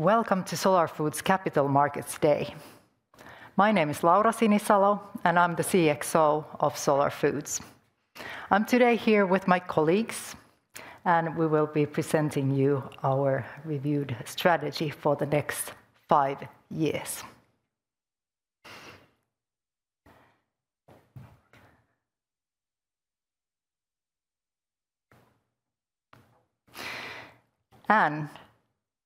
Welcome to Solar Foods Capital Markets Day. My name is Laura Sinisalo, and I'm the CXO of Solar Foods. I'm today here with my colleagues, and we will be presenting you our reviewed strategy for the next five years. And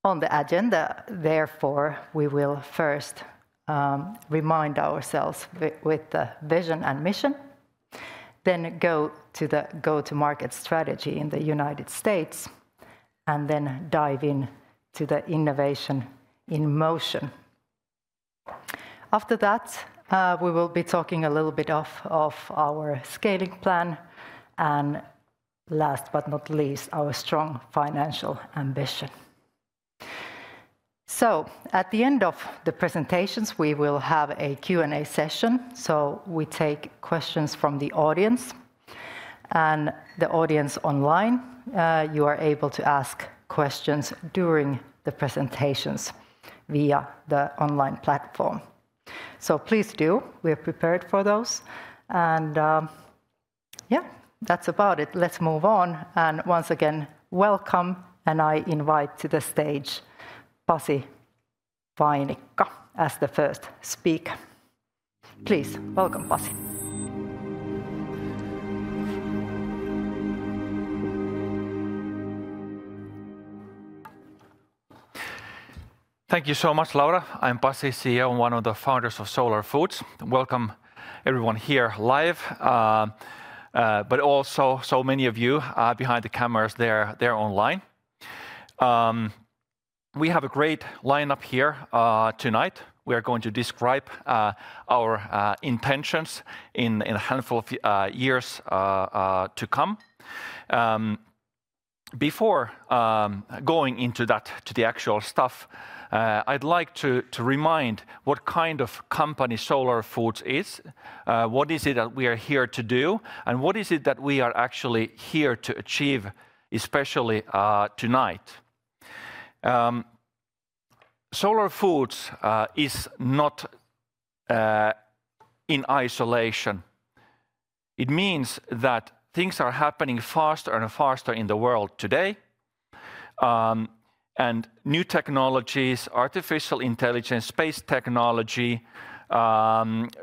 on the agenda, therefore, we will first remind ourselves with the vision and mission, then go to the go-to-market strategy in the United States, and then dive into the innovation in motion. After that, we will be talking a little bit of our scaling plan, and last but not least, our strong financial ambition. So, at the end of the presentations, we will have a Q&A session, so we take questions from the audience. And the audience online, you are able to ask questions during the presentations via the online platform. So please do, we are prepared for those. And yeah, that's about it. Let's move on. And once again, welcome, and I invite to the stage Pasi Vainikka as the first speaker. Please welcome Pasi. Thank you so much Laura. I'm Pasi, CEO and one of the founders of Solar Foods. Welcome everyone here live, but also so many of you behind the cameras there online. We have a great lineup here tonight. We are going to describe our intentions in a handful of years to come. Before going into that, to the actual stuff, I'd like to remind what kind of company Solar Foods is, what is it that we are here to do, and what is it that we are actually here to achieve, especially tonight. Solar Foods is not in isolation. It means that things are happening faster and faster in the world today, and new technologies, artificial intelligence, space technology,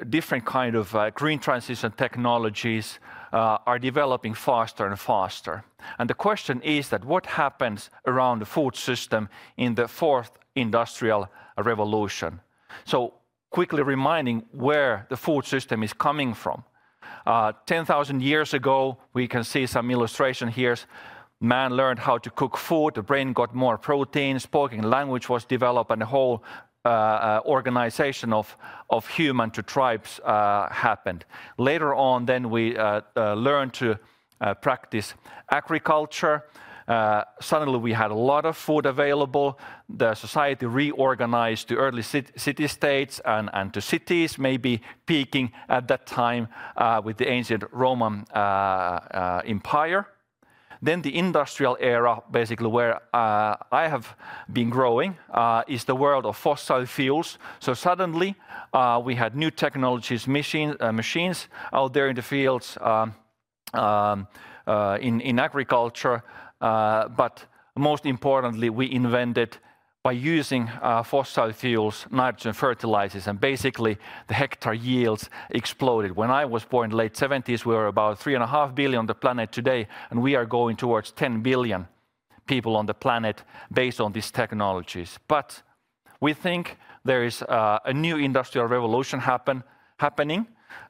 different kinds of green transition technologies are developing faster and faster, and the question is that what happens around the food system in the Fourth Industrial Revolution? So quickly reminding where the food system is coming from. 10,000 years ago, we can see some illustration here. Man learned how to cook food, the brain got more protein, spoken language was developed, and the whole organization of human to tribes happened. Later on, then we learned to practice agriculture. Suddenly, we had a lot of food available. The society reorganized to early city states and to cities, maybe peaking at that time with the ancient Roman Empire. Then the industrial era, basically where I have been growing, is the world of fossil fuels. So suddenly, we had new technologies, machines out there in the fields, in agriculture. But most importantly, we invented by using fossil fuels, nitrogen fertilizers, and basically the hectare yields exploded. When I was born in the late 70s, we were about three and a half billion on the planet. Today, and we are going towards 10 billion people on the planet based on these technologies, but we think there is a new Industrial Revolution happening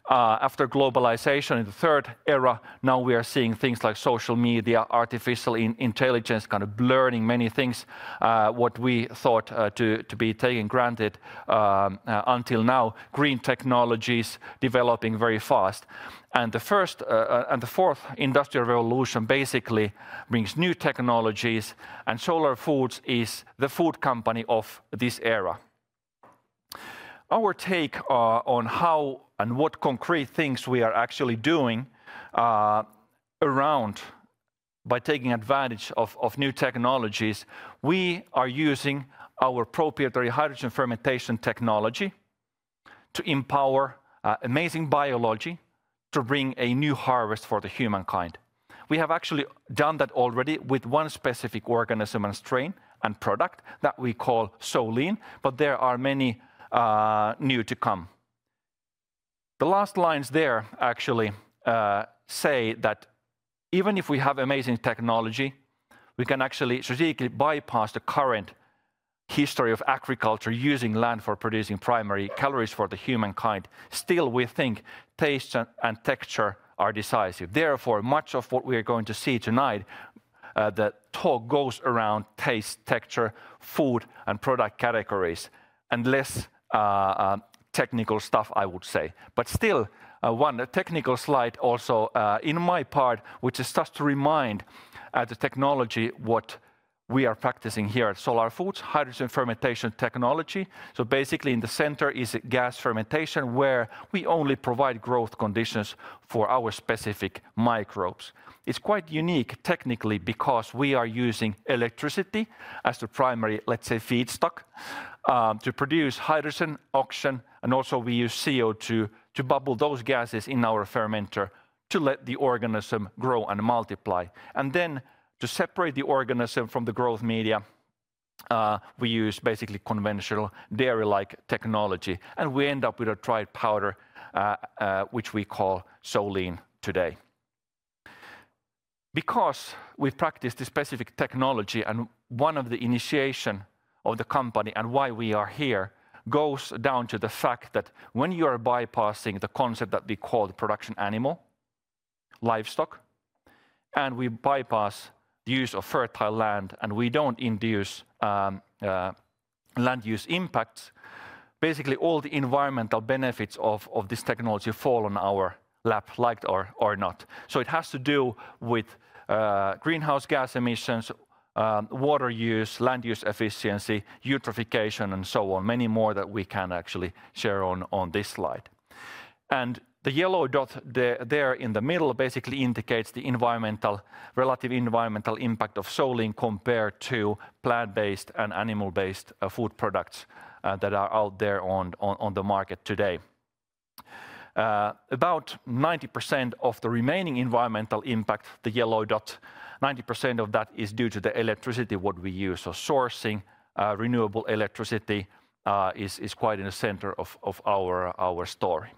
after globalization in the third era. Now we are seeing things like social media, artificial intelligence kind of blurring many things, what we thought to be taken for granted until now, green technologies developing very fast, and the Fourth Industrial Revolution basically brings new technologies, and Solar Foods is the food company of this era. Our take on how and what concrete things we are actually doing around by taking advantage of new technologies, we are using our proprietary hydrogen fermentation technology to empower amazing biology to bring a new harvest for humankind. We have actually done that already with one specific organism and strain and product that we call Solein, but there are many new to come. The last lines there actually say that even if we have amazing technology, we can actually strategically bypass the current history of agriculture using land for producing primary calories for humankind. Still, we think taste and texture are decisive. Therefore, much of what we are going to see tonight, the talk goes around taste, texture, food, and product categories, and less technical stuff, I would say. But still, one technical slide also in my part, which is just to remind the technology what we are practicing here at Solar Foods, hydrogen fermentation technology. So basically in the center is gas fermentation where we only provide growth conditions for our specific microbes. It's quite unique technically because we are using electricity as the primary, let's say, feedstock to produce hydrogen, oxygen, and also we use CO2 to bubble those gases in our fermenter to let the organism grow and multiply. And then to separate the organism from the growth media, we use basically conventional dairy-like technology, and we end up with a dried powder, which we call Solein today. Because we practice this specific technology and one of the initiations of the company and why we are here goes down to the fact that when you are bypassing the concept that we call the production animal, livestock, and we bypass the use of fertile land and we don't induce land use impacts, basically all the environmental benefits of this technology fall on our lap, like it or not. It has to do with greenhouse gas emissions, water use, land use efficiency, eutrophication, and so on, many more that we can actually share on this slide. The yellow dot there in the middle basically indicates the relative environmental impact of Solein compared to plant-based and animal-based food products that are out there on the market today. About 90% of the remaining environmental impact, the yellow dot, 90% of that is due to the electricity what we use or sourcing. Renewable electricity is quite in the center of our story.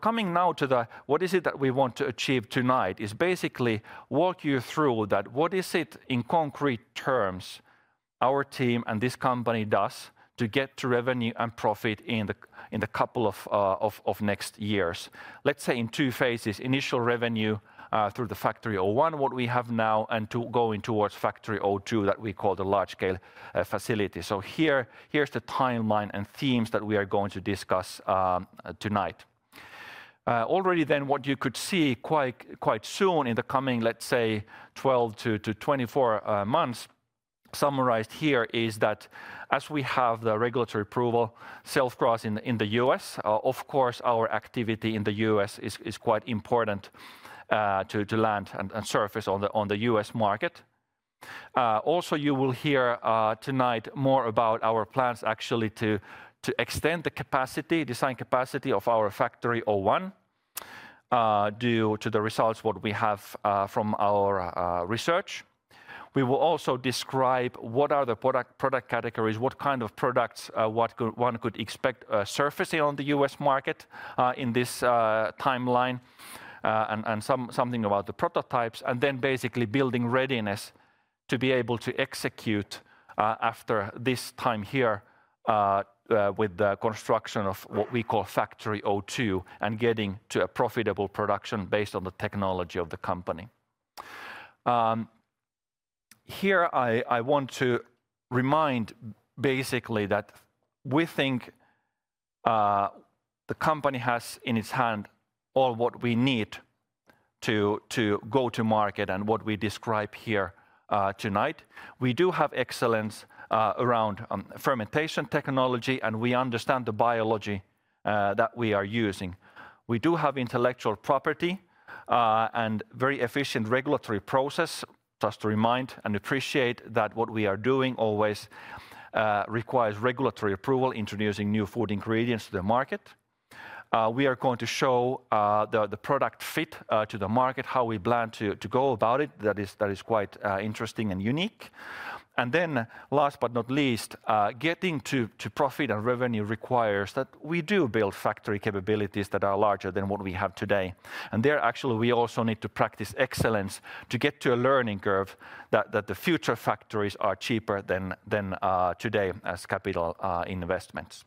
Coming now to the what is it that we want to achieve tonight is basically walk you through that what is it in concrete terms our team and this company does to get revenue and profit in the couple of next years. Let's say in two phases, initial revenue through the Factory 01, what we have now, and to going towards Factory 02 that we call the large-scale facility. Here's the timeline and themes that we are going to discuss tonight. Already then what you could see quite soon in the coming, let's say, 12 to 24 months summarized here is that as we have the regulatory approval, sales growth in the U.S., of course our activity in the U.S. is quite important to land and surface on the U.S. market. Also you will hear tonight more about our plans actually to extend the capacity, design capacity of our Factory 01 due to the results what we have from our research. We will also describe what are the product categories, what kind of products one could expect surfacing on the U.S market in this timeline, and something about the prototypes, and then basically building readiness to be able to execute after this time here with the construction of what we call Factory 02 and getting to a profitable production based on the technology of the company. Here I want to remind basically that we think the company has in its hand all what we need to go to market and what we describe here tonight. We do have excellence around fermentation technology and we understand the biology that we are using. We do have intellectual property and very efficient regulatory process. Just to remind and appreciate that what we are doing always requires regulatory approval introducing new food ingredients to the market. We are going to show the product fit to the market, how we plan to go about it. That is quite interesting and unique. Then last but not least, getting to profit and revenue requires that we do build factory capabilities that are larger than what we have today. There actually we also need to practice excellence to get to a learning curve that the future factories are cheaper than today as capital investments.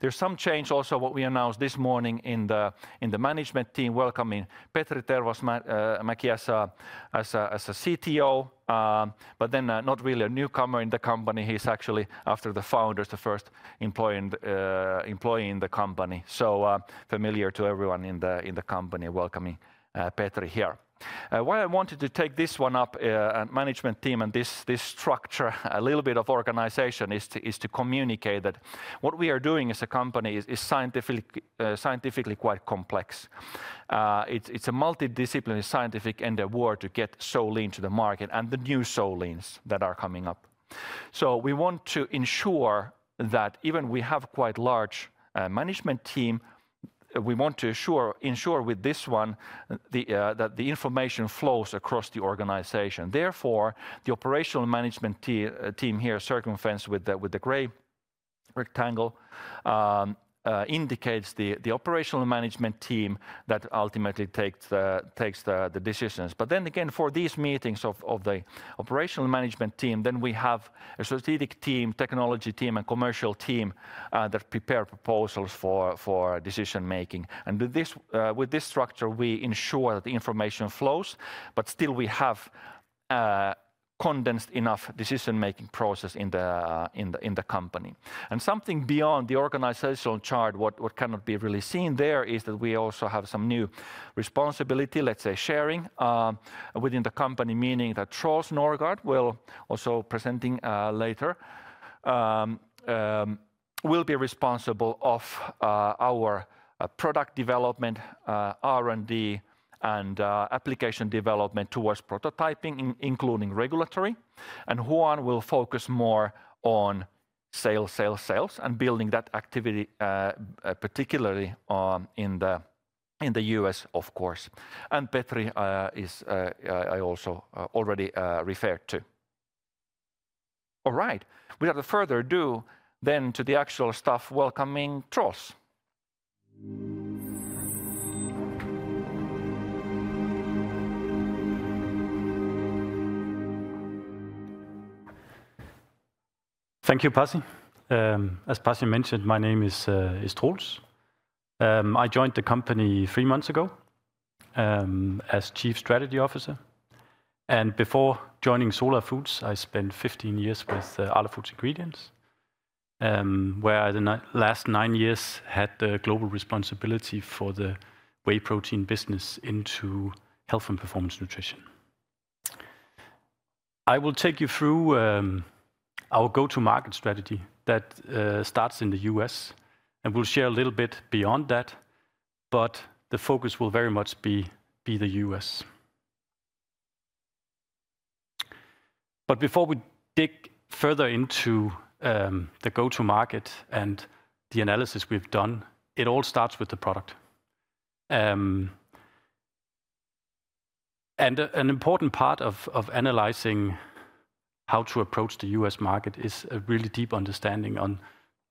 There's some change also what we announced this morning in the management team welcoming Petri Tervasmäki as a CTO, but then not really a newcomer in the company. He's actually after the founders the first employee in the company. So familiar to everyone in the company, welcoming Petri here. Why I wanted to take this one up, management team and this structure, a little bit of organization is to communicate that what we are doing as a company is scientifically quite complex. It's a multidisciplinary scientific endeavor to get Solein to the market and the new Soleins that are coming up. So we want to ensure that even we have quite large management team, we want to ensure with this one that the information flows across the organization. Therefore, the operational management team here, encircled with the gray rectangle, indicates the operational management team that ultimately takes the decisions. But then again for these meetings of the operational management team, then we have a strategic team, technology team, and commercial team that prepare proposals for decision making. And with this structure, we ensure that the information flows, but still we have condensed enough decision making process in the company. Something beyond the organizational chart what cannot be really seen there is that we also have some new responsibility, let's say, sharing within the company, meaning that Troels Nørgaard, we'll also present later, will be responsible of our product development, R&D, and application development towards prototyping, including regulatory. Juan will focus more on sales, sales, sales, and building that activity particularly in the U.S., of course. Petri is I also already referred to. All right, without further ado then to the actual stuff, welcoming Troels. Thank you, Pasi. As Pasi mentioned, my name is Troels. I joined the company three months ago as Chief Strategy Officer. And before joining Solar Foods, I spent 15 years with Arla Foods Ingredients, where I the last nine years had the global responsibility for the whey protein business into health and performance nutrition. I will take you through our go-to-market strategy that starts in the U.S. and we'll share a little bit beyond that, but the focus will very much be the us But before we dig further into the go-to-market and the analysis we've done, it all starts with the product. And an important part of analyzing how to approach theU.S. market is a really deep understanding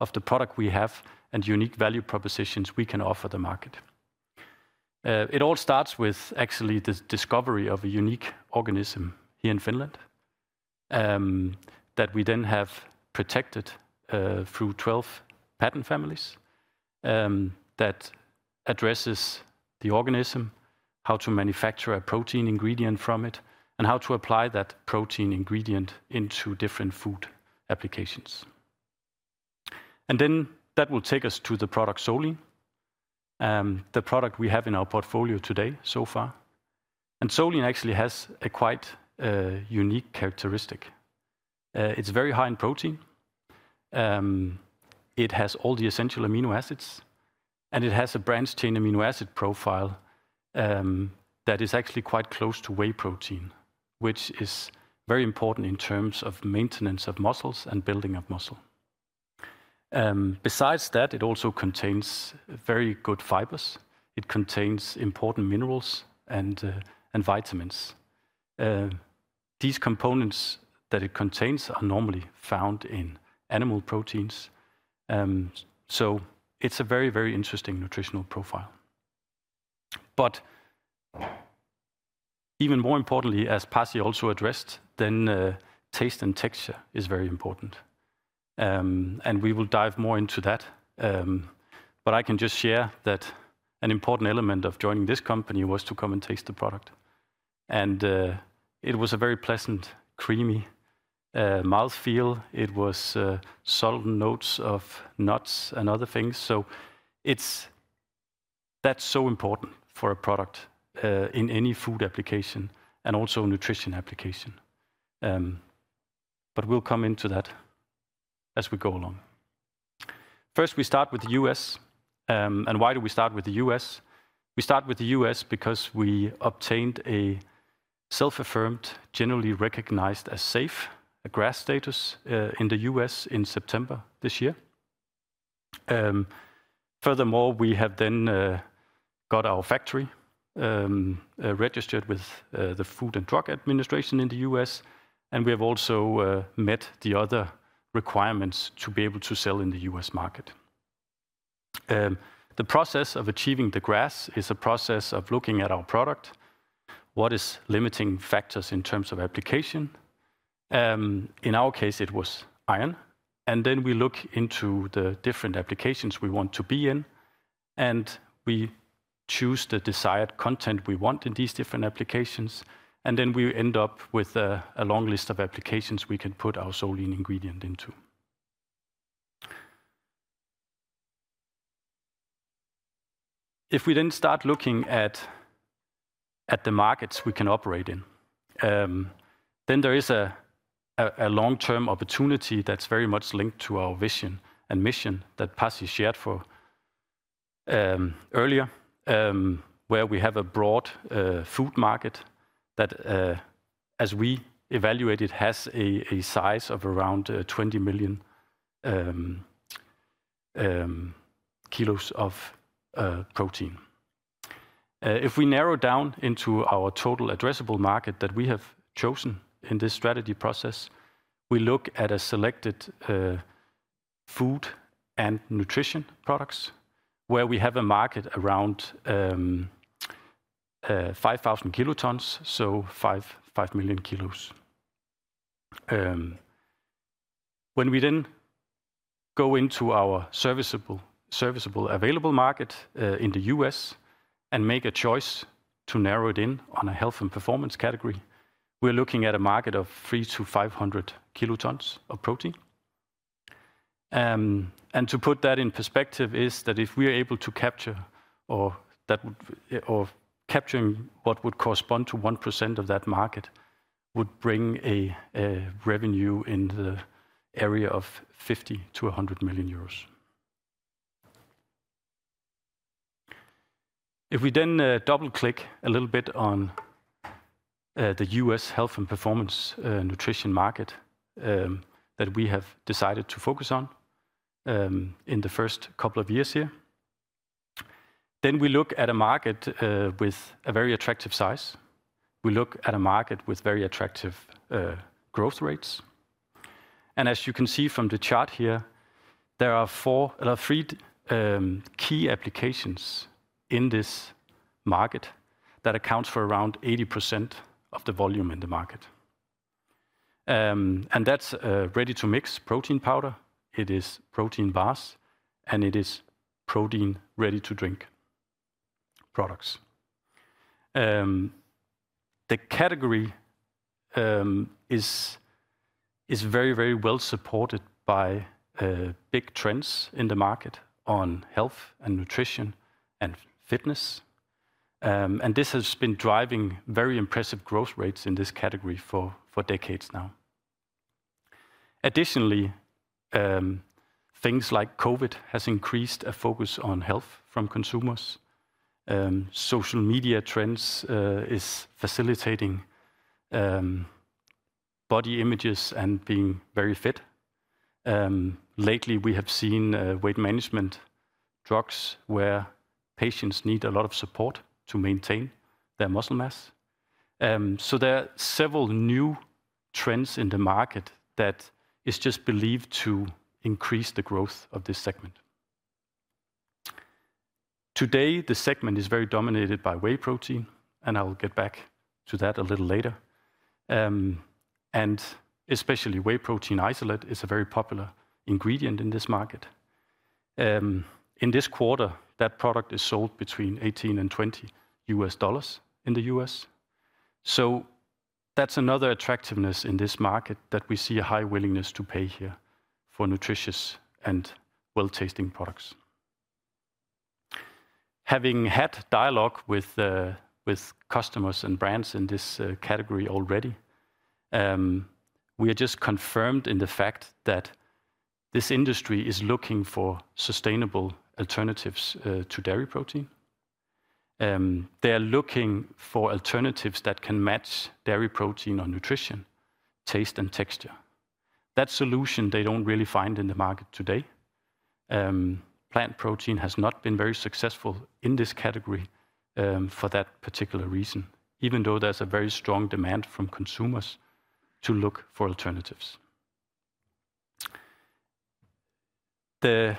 of the product we have and unique value propositions we can offer the market. It all starts with actually the discovery of a unique organism here in Finland that we then have protected through 12 patent families that addresses the organism, how to manufacture a protein ingredient from it, and how to apply that protein ingredient into different food applications. And then that will take us to the product Solein, the product we have in our portfolio today so far. And Solein actually has a quite unique characteristic. It's very high in protein. It has all the essential amino acids, and it has a branched-chain amino acid profile that is actually quite close to whey protein, which is very important in terms of maintenance of muscles and building of muscle. Besides that, it also contains very good fibers. It contains important minerals and vitamins. These components that it contains are normally found in animal proteins. So it's a very, very interesting nutritional profile. But even more importantly, as Pasi also addressed, then taste and texture is very important. And we will dive more into that. But I can just share that an important element of joining this company was to come and taste the product. And it was a very pleasant, creamy mouthfeel. It was subtle notes of nuts and other things. So that's so important for a product in any food application and also nutrition application. But we'll come into that as we go along. First, we start with the U.S.. And why do we start with theU.S.? We start with the U.S. because we obtained a self-affirmed, generally recognized as safe, GRAS status in the U.S. in September this year. Furthermore, we have then got our factory registered with the Food and Drug Administration in the U.S., and we have also met the other requirements to be able to sell in the U.S. market. The process of achieving the GRAS is a process of looking at our product. What is limiting factors in terms of application? In our case, it was iron, then we look into the different applications we want to be in, and we choose the desired content we want in these different applications, then we end up with a long list of applications we can put our Solein ingredient into. If we then start looking at the markets we can operate in, then there is a long-term opportunity that's very much linked to our vision and mission that Pasi shared earlier, where we have a broad food market that, as we evaluated, has a size of around 20 million kilos of protein. If we narrow down into our total addressable market that we have chosen in this strategy process, we look at a selected food and nutrition products where we have a market around 5 kilotons, so 5 million kilos. When we then go into our serviceable available market in the U.S. and make a choice to narrow it in on a health and performance category, we're looking at a market of 300kilotons-500 kilotons of protein. To put that in perspective is that if we are able to capture or capturing what would correspond to 1% of that market would bring a revenue in the area of EUR 50million-100 million. If we then double-click a little bit on the U.S. health and performance nutrition market that we have decided to focus on in the first couple of years here, then we look at a market with a very attractive size. We look at a market with very attractive growth rates. As you can see from the chart here, there are three key applications in this market that accounts for around 80% of the volume in the market. That's ready-to-mix protein powder. It is protein bars, and it is protein ready-to-drink products. The category is very, very well supported by big trends in the market on health and nutrition and fitness. And this has been driving very impressive growth rates in this category for decades now. Additionally, things like COVID have increased a focus on health from consumers. Social media trends are facilitating body images and being very fit. Lately, we have seen weight management drugs where patients need a lot of support to maintain their muscle mass. So there are several new trends in the market that are just believed to increase the growth of this segment. Today, the segment is very dominated by whey protein, and I'll get back to that a little later. And especially whey protein isolate is a very popular ingredient in this market. In this quarter, that product is sold between $18 and $20 in the U.S.. So that's another attractiveness in this market that we see a high willingness to pay here for nutritious and well-tasting products. Having had dialogue with customers and brands in this category already, we are just confirmed in the fact that this industry is looking for sustainable alternatives to dairy protein. They are looking for alternatives that can match dairy protein on nutrition, taste, and texture. That solution, they don't really find in the market today. Plant protein has not been very successful in this category for that particular reason, even though there's a very strong demand from consumers to look for alternatives. The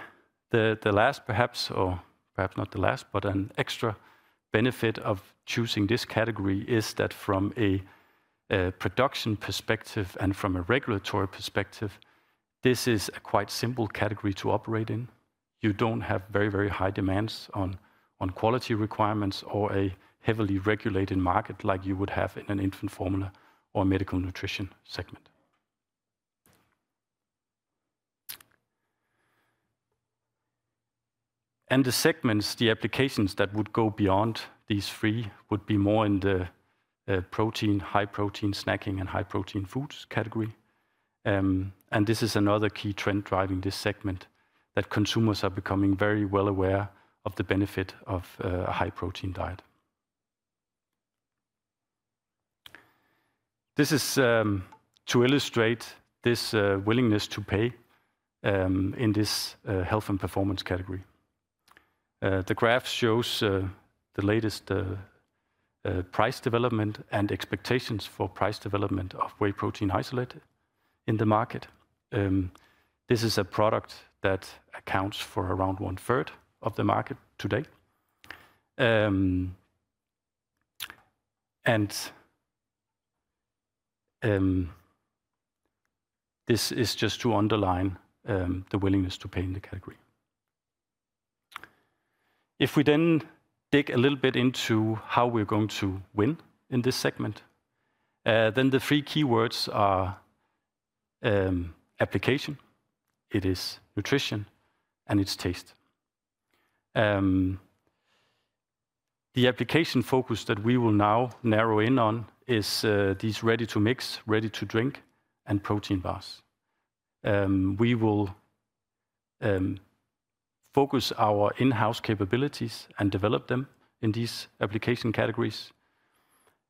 last, perhaps, or perhaps not the last, but an extra benefit of choosing this category is that from a production perspective and from a regulatory perspective, this is a quite simple category to operate in. You don't have very, very high demands on quality requirements or a heavily regulated market like you would have in an infant formula or medical nutrition segment. The segments, the applications that would go beyond these three would be more in the protein, high protein snacking, and high protein foods category. This is another key trend driving this segment that consumers are becoming very well aware of the benefit of a high protein diet. This is to illustrate this willingness to pay in this health and performance category. The graph shows the latest price development and expectations for price development of whey protein isolate in the market. This is a product that accounts for around one third of the market today. This is just to underline the willingness to pay in the category. If we then dig a little bit into how we're going to win in this segment, then the three keywords are application, it is nutrition, and it's taste. The application focus that we will now narrow in on is these ready-to-mix, ready-to-drink, and protein bars. We will focus our in-house capabilities and develop them in these application categories.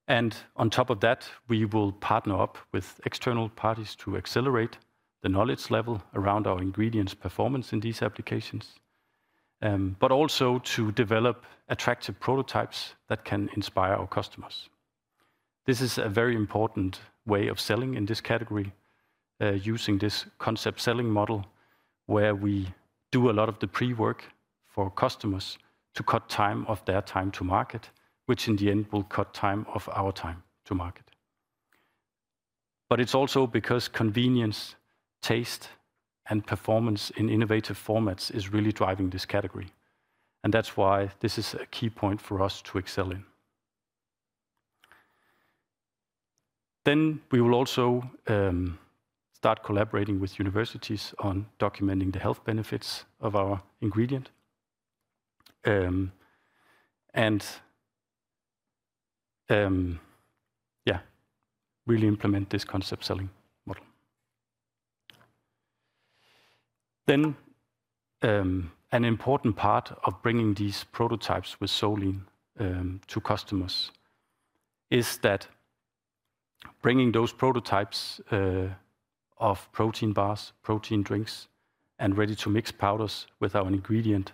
And on top of that, we will partner up with external parties to accelerate the knowledge level around our ingredients' performance in these applications, but also to develop attractive prototypes that can inspire our customers. This is a very important way of selling in this category using this concept selling model where we do a lot of the pre-work for customers to cut time of their time to market, which in the end will cut time of our time to market. But it's also because convenience, taste, and performance in innovative formats is really driving this category. And that's why this is a key point for us to excel in. Then we will also start collaborating with universities on documenting the health benefits of our ingredient. And yeah, really implement this concept selling model. Then an important part of bringing these prototypes with Solein to customers is that bringing those prototypes of protein bars, protein drinks, and ready-to-mix powders with our ingredient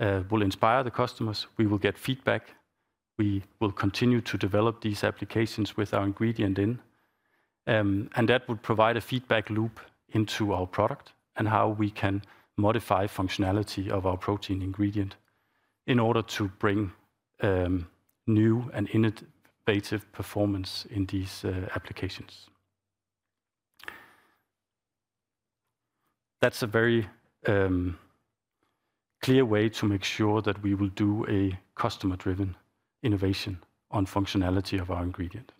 will inspire the customers. We will get feedback. We will continue to develop these applications with our ingredient in. And that would provide a feedback loop into our product and how we can modify functionality of our protein ingredient in order to bring new and innovative performance in these applications. That's a very clear way to make sure that we will do a customer-driven innovation on functionality of our ingredient.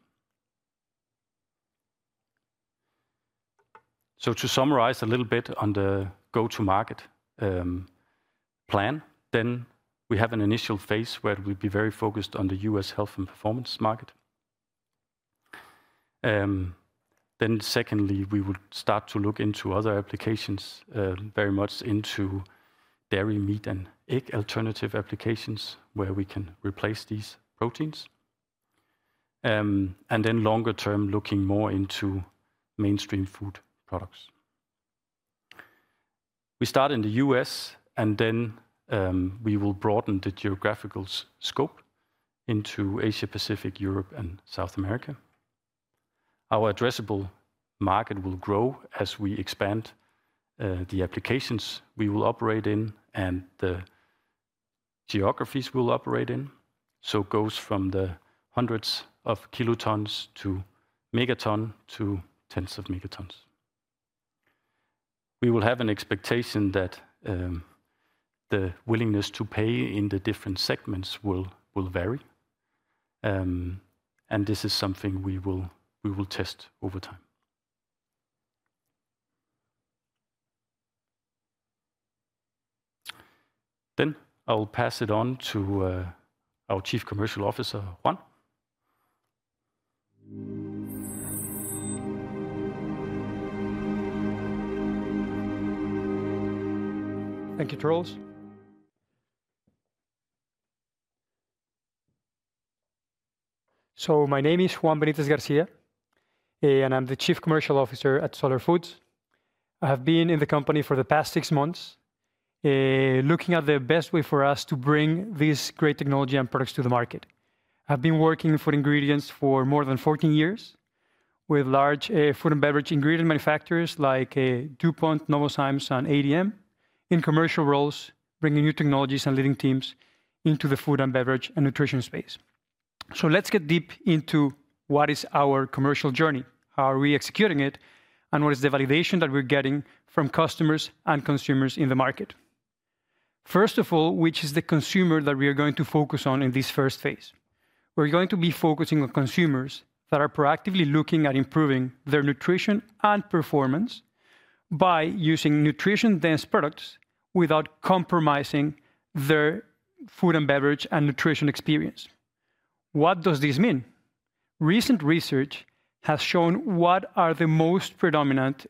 So to summarize a little bit on the go-to-market plan, then we have an initial phase where we'll be very focused on the U.S. health and performance market. Then secondly, we will start to look into other applications very much into dairy, meat, and egg alternative applications where we can replace these proteins. And then longer term, looking more into mainstream food products. We start in the U.S., and then we will broaden the geographical scope into Asia-Pacific, Europe, and South America. Our addressable market will grow as we expand the applications we will operate in and the geographies we'll operate in. So it goes from the hundreds of kilotons to megatons to tens of megatons. We will have an expectation that the willingness to pay in the different segments will vary. And this is something we will test over time. Then I'll pass it on to our Chief Commercial Officer, Juan. Thank you, Troels. So my name is Juan Benítez García, and I'm the Chief Commercial Officer at Solar Foods. I have been in the company for the past six months looking at the best way for us to bring this great technology and products to the market. I have been working in ingredients for more than 14 years with large food and beverage ingredient manufacturers like DuPont, Novozymes, and ADM in commercial roles, bringing new technologies and leading teams into the food and beverage and nutrition space. So let's get deep into what is our commercial journey, how are we executing it, and what is the validation that we're getting from customers and consumers in the market. First of all, which is the consumer that we are going to focus on in this first phase? We're going to be focusing on consumers that are proactively looking at improving their nutrition and performance by using nutrition-dense products without compromising their food and beverage and nutrition experience. What does this mean? Recent research has shown what are the most predominant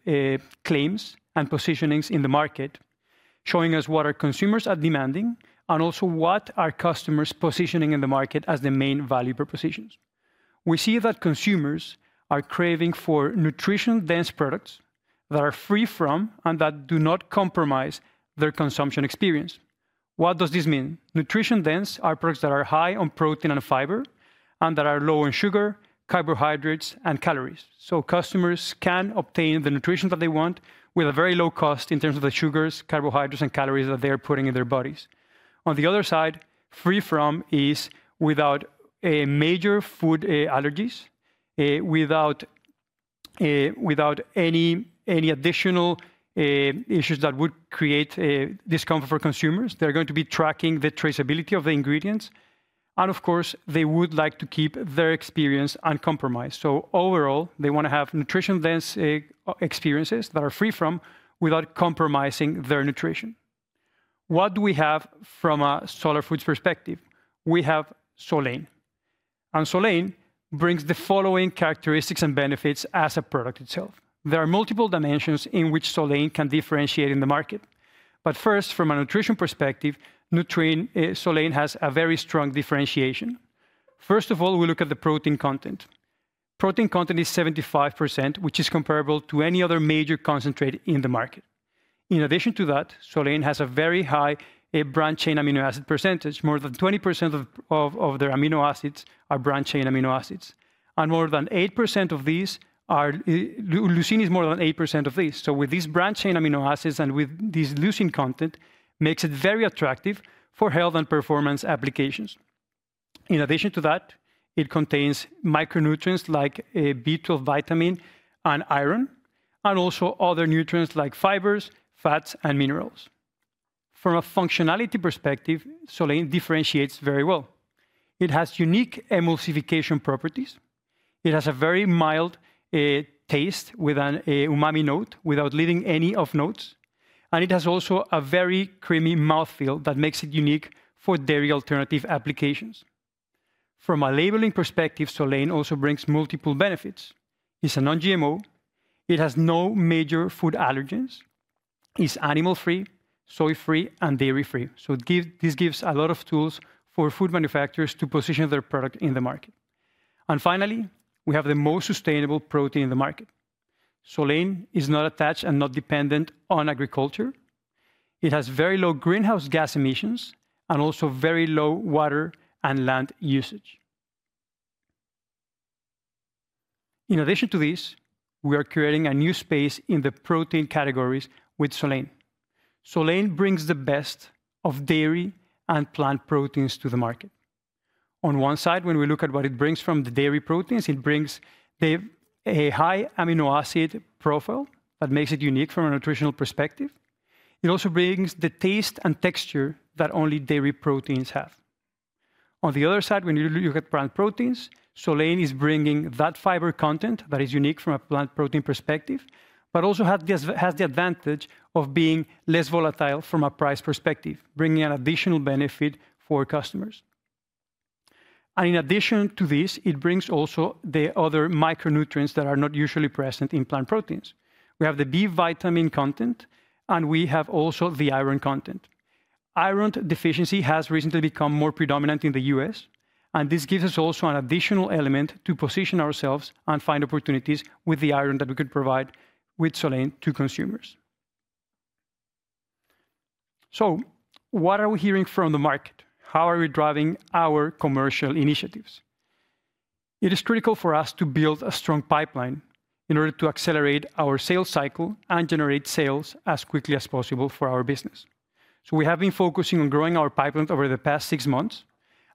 claims and positionings in the market, showing us what our consumers are demanding and also what our customers are positioning in the market as the main value propositions. We see that consumers are craving for nutrition-dense products that are free from and that do not compromise their consumption experience. What does this mean? Nutrition-dense are products that are high on protein and fiber and that are low on sugar, carbohydrates, and calories. So customers can obtain the nutrition that they want with a very low cost in terms of the sugars, carbohydrates, and calories that they are putting in their bodies. On the other side, free from is without major food allergies, without any additional issues that would create discomfort for consumers. They're going to be tracking the traceability of the ingredients. And of course, they would like to keep their experience uncompromised. So overall, they want to have nutrition-dense experiences that are free from without compromising their nutrition. What do we have from a Solar Foods perspective? We have Solein. And Solein brings the following characteristics and benefits as a product itself. There are multiple dimensions in which Solein can differentiate in the market. But first, from a nutrition perspective, Solein has a very strong differentiation. First of all, we look at the protein content. Protein content is 75%, which is comparable to any other major concentrate in the market. In addition to that, Solein has a very high branched-chain amino acid percentage. More than 20% of their amino acids are branched-chain amino acids. And more than 8% of these are leucine. With these branched-chain amino acids and with this leucine content, it makes it very attractive for health and performance applications. In addition to that, it contains micronutrients like B12 Vitamin and Iron, and also other nutrients like fibers, fats, and minerals. From a functionality perspective, Solein differentiates very well. It has unique emulsification properties. It has a very mild taste with an umami note without leaving any off notes, and it has also a very creamy mouthfeel that makes it unique for dairy alternative applications. From a labeling perspective, Solein also brings multiple benefits. It's a non-GMO. It has no major food allergens. It's animal-free, soy-free, and dairy-free, so this gives a lot of tools for food manufacturers to position their product in the market, and finally, we have the most sustainable protein in the market. Solein is not attached and not dependent on agriculture. It has very low greenhouse gas emissions and also very low water and land usage. In addition to this, we are creating a new space in the protein categories with Solein. Solein brings the best of dairy and plant proteins to the market. On one side, when we look at what it brings from the dairy proteins, it brings a high amino acid profile that makes it unique from a nutritional perspective. It also brings the taste and texture that only dairy proteins have. On the other side, when you look at plant proteins, Solein is bringing that fiber content that is unique from a plant protein perspective, but also has the advantage of being less volatile from a price perspective, bringing an additional benefit for customers. And in addition to this, it brings also the other micronutrients that are not usually present in plant proteins. We have the B vitamin content, and we have also the iron content. Iron deficiency has recently become more predominant in the U.S., and this gives us also an additional element to position ourselves and find opportunities with the iron that we could provide with Solein to consumers. So what are we hearing from the market? How are we driving our commercial initiatives? It is critical for us to build a strong pipeline in order to accelerate our sales cycle and generate sales as quickly as possible for our business. So we have been focusing on growing our pipeline over the past six months.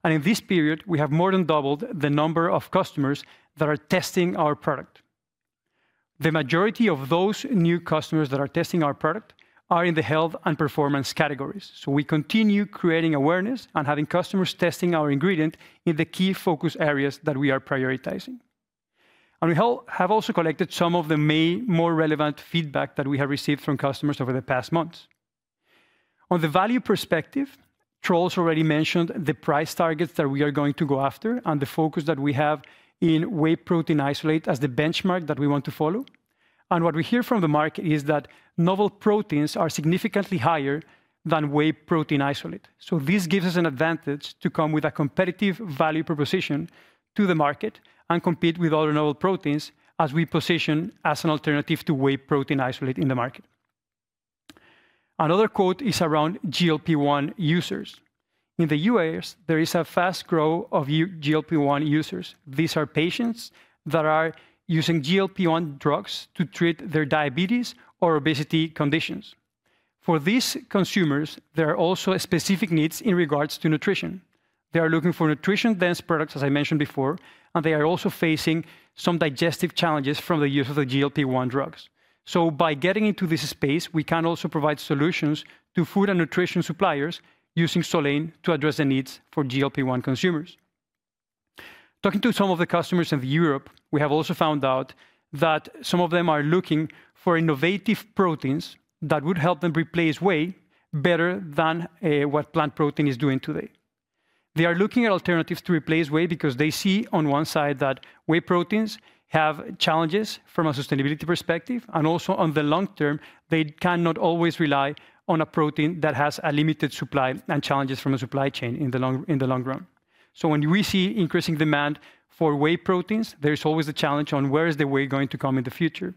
And in this period, we have more than doubled the number of customers that are testing our product. The majority of those new customers that are testing our product are in the health and performance categories. So we continue creating awareness and having customers testing our ingredient in the key focus areas that we are prioritizing. And we have also collected some of the more relevant feedback that we have received from customers over the past months. On the value perspective, Troels already mentioned the price targets that we are going to go after and the focus that we have in whey protein isolate as the benchmark that we want to follow. And what we hear from the market is that novel proteins are significantly higher than whey protein isolate. So this gives us an advantage to come with a competitive value proposition to the market and compete with other novel proteins as we position as an alternative to whey protein isolate in the market. Another quote is around GLP-1 users. In the U.S., there is a fast growth of GLP-1 users. These are patients that are using GLP-1 drugs to treat their diabetes or obesity conditions. For these consumers, there are also specific needs in regards to nutrition. They are looking for nutrition-dense products, as I mentioned before, and they are also facing some digestive challenges from the use of the GLP-1 drugs. So by getting into this space, we can also provide solutions to food and nutrition suppliers using Solein to address the needs for GLP-1 consumers. Talking to some of the customers in Europe, we have also found out that some of them are looking for innovative proteins that would help them replace whey better than what plant protein is doing today. They are looking at alternatives to replace whey because they see on one side that whey proteins have challenges from a sustainability perspective, and also on the long term, they cannot always rely on a protein that has a limited supply and challenges from a supply chain in the long run. So when we see increasing demand for whey proteins, there is always the challenge on where is the whey going to come in the future.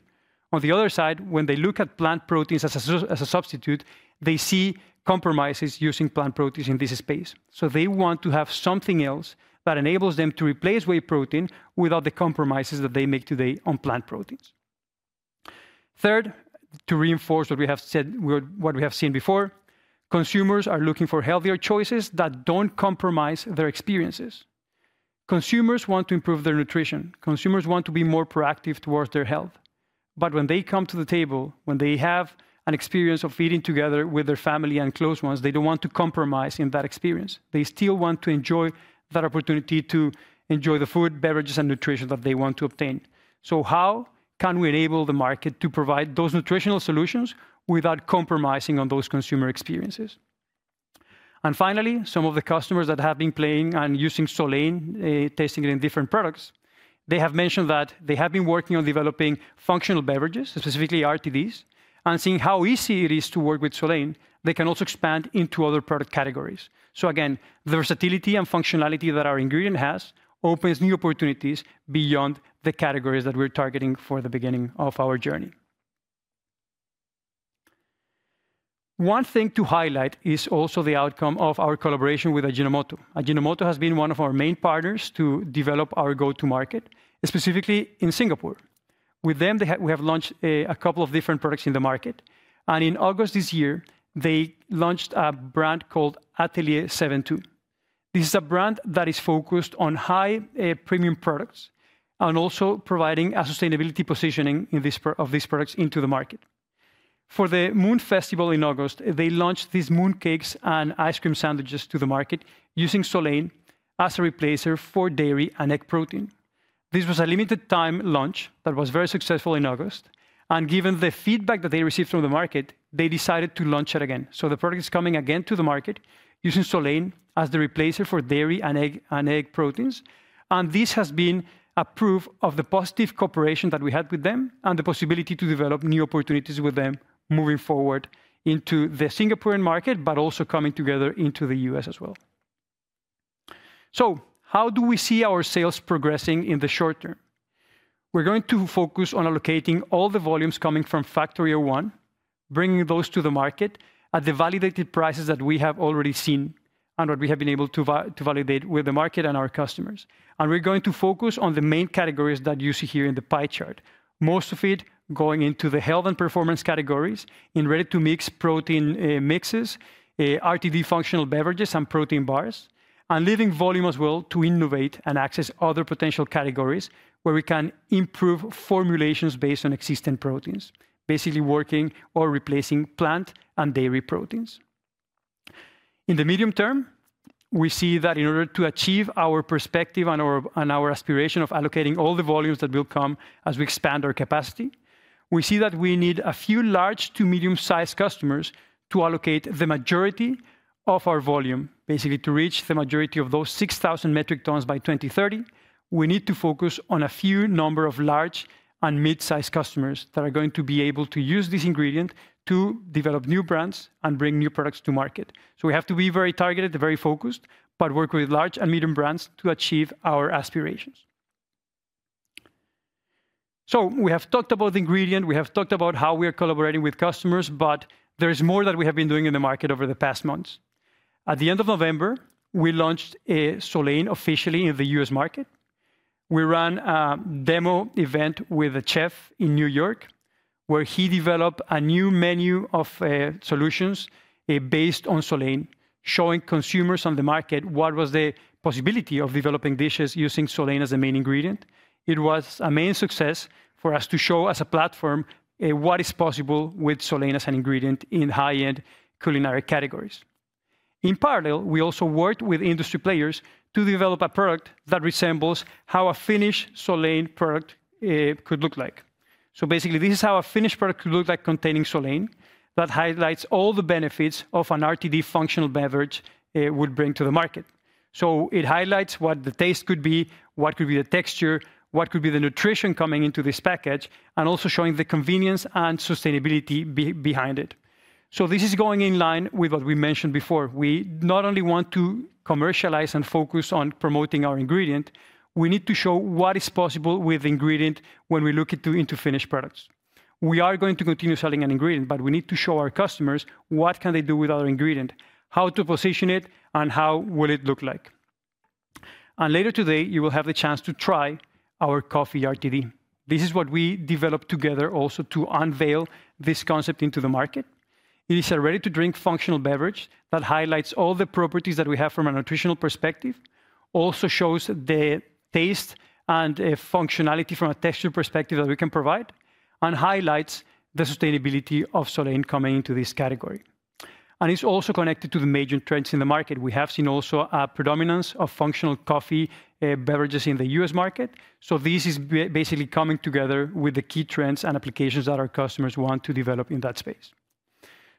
On the other side, when they look at plant proteins as a substitute, they see compromises using plant proteins in this space. So they want to have something else that enables them to replace whey protein without the compromises that they make today on plant proteins. Third, to reinforce what we have said, what we have seen before, consumers are looking for healthier choices that don't compromise their experiences. Consumers want to improve their nutrition. Consumers want to be more proactive towards their health. But when they come to the table, when they have an experience of eating together with their family and close ones, they don't want to compromise in that experience. They still want to enjoy that opportunity to enjoy the food, beverages, and nutrition that they want to obtain. So how can we enable the market to provide those nutritional solutions without compromising on those consumer experiences? And finally, some of the customers that have been playing and using Solein, testing it in different products, they have mentioned that they have been working on developing functional beverages, specifically RTDs, and seeing how easy it is to work with Solein. They can also expand into other product categories. So again, the versatility and functionality that our ingredient has opens new opportunities beyond the categories that we're targeting for the beginning of our journey. One thing to highlight is also the outcome of our collaboration with Ajinomoto. Ajinomoto has been one of our main partners to develop our go-to-market, specifically in Singapore. With them, we have launched a couple of different products in the market. And in August this year, they launched a brand called Atelier 72. This is a brand that is focused on high premium products and also providing a sustainability positioning of these products into the market. For the Moon Festival in August, they launched these mooncakes and ice cream sandwiches to the market using Solein as a replacer for dairy and egg protein. This was a limited-time launch that was very successful in August. And given the feedback that they received from the market, they decided to launch it again. So the product is coming again to the market using Solein as the replacer for dairy and egg proteins. And this has been a proof of the positive cooperation that we had with them and the possibility to develop new opportunities with them moving forward into the Singaporean market, but also coming together into the U.S. as well. So how do we see our sales progressing in the short term? We're going to focus on allocating all the volumes coming from Factory 01, bringing those to the market at the validated prices that we have already seen and what we have been able to validate with the market and our customers. And we're going to focus on the main categories that you see here in the pie chart, most of it going into the health and performance categories in ready-to-mix protein mixes, RTD functional beverages, and protein bars, and leaving volume as well to innovate and access other potential categories where we can improve formulations based on existing proteins, basically working or replacing plant and dairy proteins. In the medium term, we see that in order to achieve our perspective and our aspiration of allocating all the volumes that will come as we expand our capacity, we see that we need a few large to medium-sized customers to allocate the majority of our volume, basically to reach the majority of those 6,000 metric tons by 2030. We need to focus on a few number of large and mid-sized customers that are going to be able to use this ingredient to develop new brands and bring new products to market. So we have to be very targeted, very focused, but work with large and medium brands to achieve our aspirations. So we have talked about the ingredient. We have talked about how we are collaborating with customers, but there is more that we have been doing in the market over the past months. At the end of November, we launched Solein officially in the U.S. market. We ran a demo event with a chef in New York where he developed a new menu of solutions based on Solein, showing consumers on the market what was the possibility of developing dishes using Solein as a main ingredient. It was a main success for us to show as a platform what is possible with Solein as an ingredient in high-end culinary categories. In parallel, we also worked with industry players to develop a product that resembles how a finished Solein product could look like. So basically, this is how a finished product could look like containing Solein that highlights all the benefits of an RTD functional beverage it would bring to the market. So it highlights what the taste could be, what could be the texture, what could be the nutrition coming into this package, and also showing the convenience and sustainability behind it. So this is going in line with what we mentioned before. We not only want to commercialize and focus on promoting our ingredient, we need to show what is possible with the ingredient when we look into finished products. We are going to continue selling an ingredient, but we need to show our customers what can they do with our ingredient, how to position it, and how will it look like. Later today, you will have the chance to try our coffee RTD. This is what we developed together also to unveil this concept into the market. It is a ready-to-drink functional beverage that highlights all the properties that we have from a nutritional perspective, also shows the taste and functionality from a texture perspective that we can provide, and highlights the sustainability of Solein coming into this category. It's also connected to the major trends in the market. We have seen also a predominance of functional coffee beverages in the U.S. market. This is basically coming together with the key trends and applications that our customers want to develop in that space.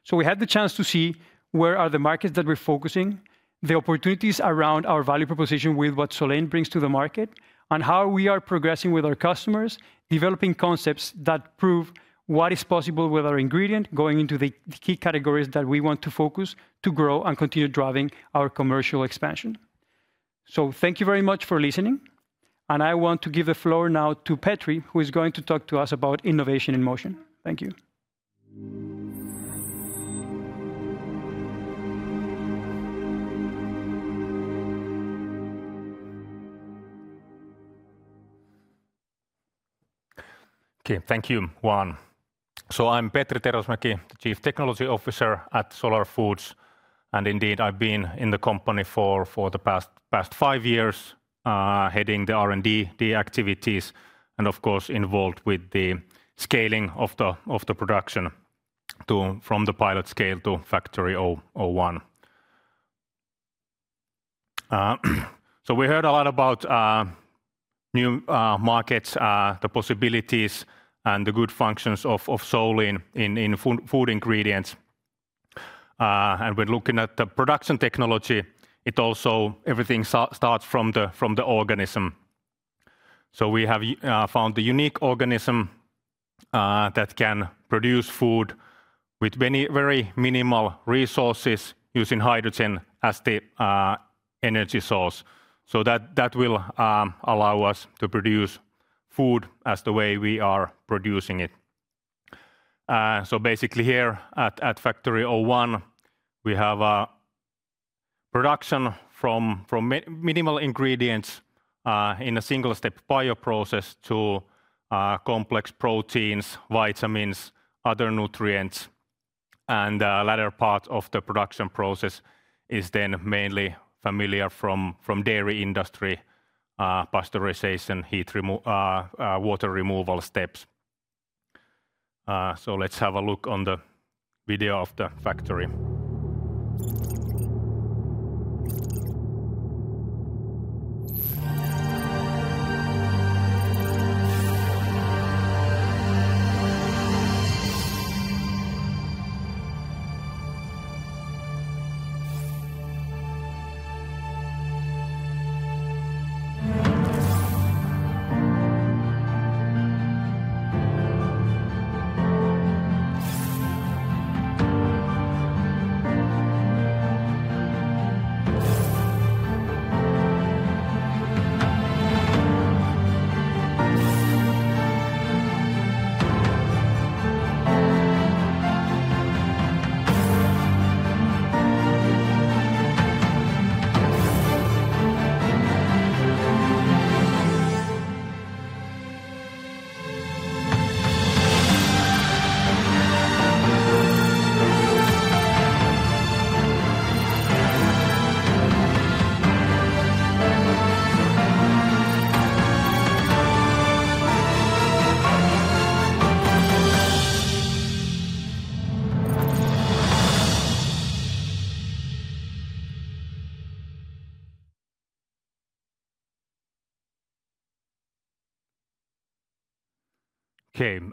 So we had the chance to see where are the markets that we're focusing, the opportunities around our value proposition with what Solein brings to the market, and how we are progressing with our customers, developing concepts that prove what is possible with our ingredient, going into the key categories that we want to focus to grow and continue driving our commercial expansion. So thank you very much for listening. And I want to give the floor now to Petri, who is going to talk to us about innovation in motion. Thank you. Okay, thank you, Juan. So I'm Petri Tervasmäki, Chief Technology Officer at Solar Foods. And indeed, I've been in the company for the past five years, heading the R&D activities, and of course, involved with the scaling of the production from the pilot scale to Factory 01. We heard a lot about new markets, the possibilities, and the good functions of Solein in food ingredients. We're looking at the production technology. It also everything starts from the organism. We have found the unique organism that can produce food with very minimal resources using hydrogen as the energy source. That will allow us to produce food as the way we are producing it. Basically here at Factory 01, we have production from minimal ingredients in a single-step bio process to complex proteins, vitamins, other nutrients. The latter part of the production process is then mainly familiar from dairy industry, pasteurization, water removal steps. Let's have a look on the video of the factory.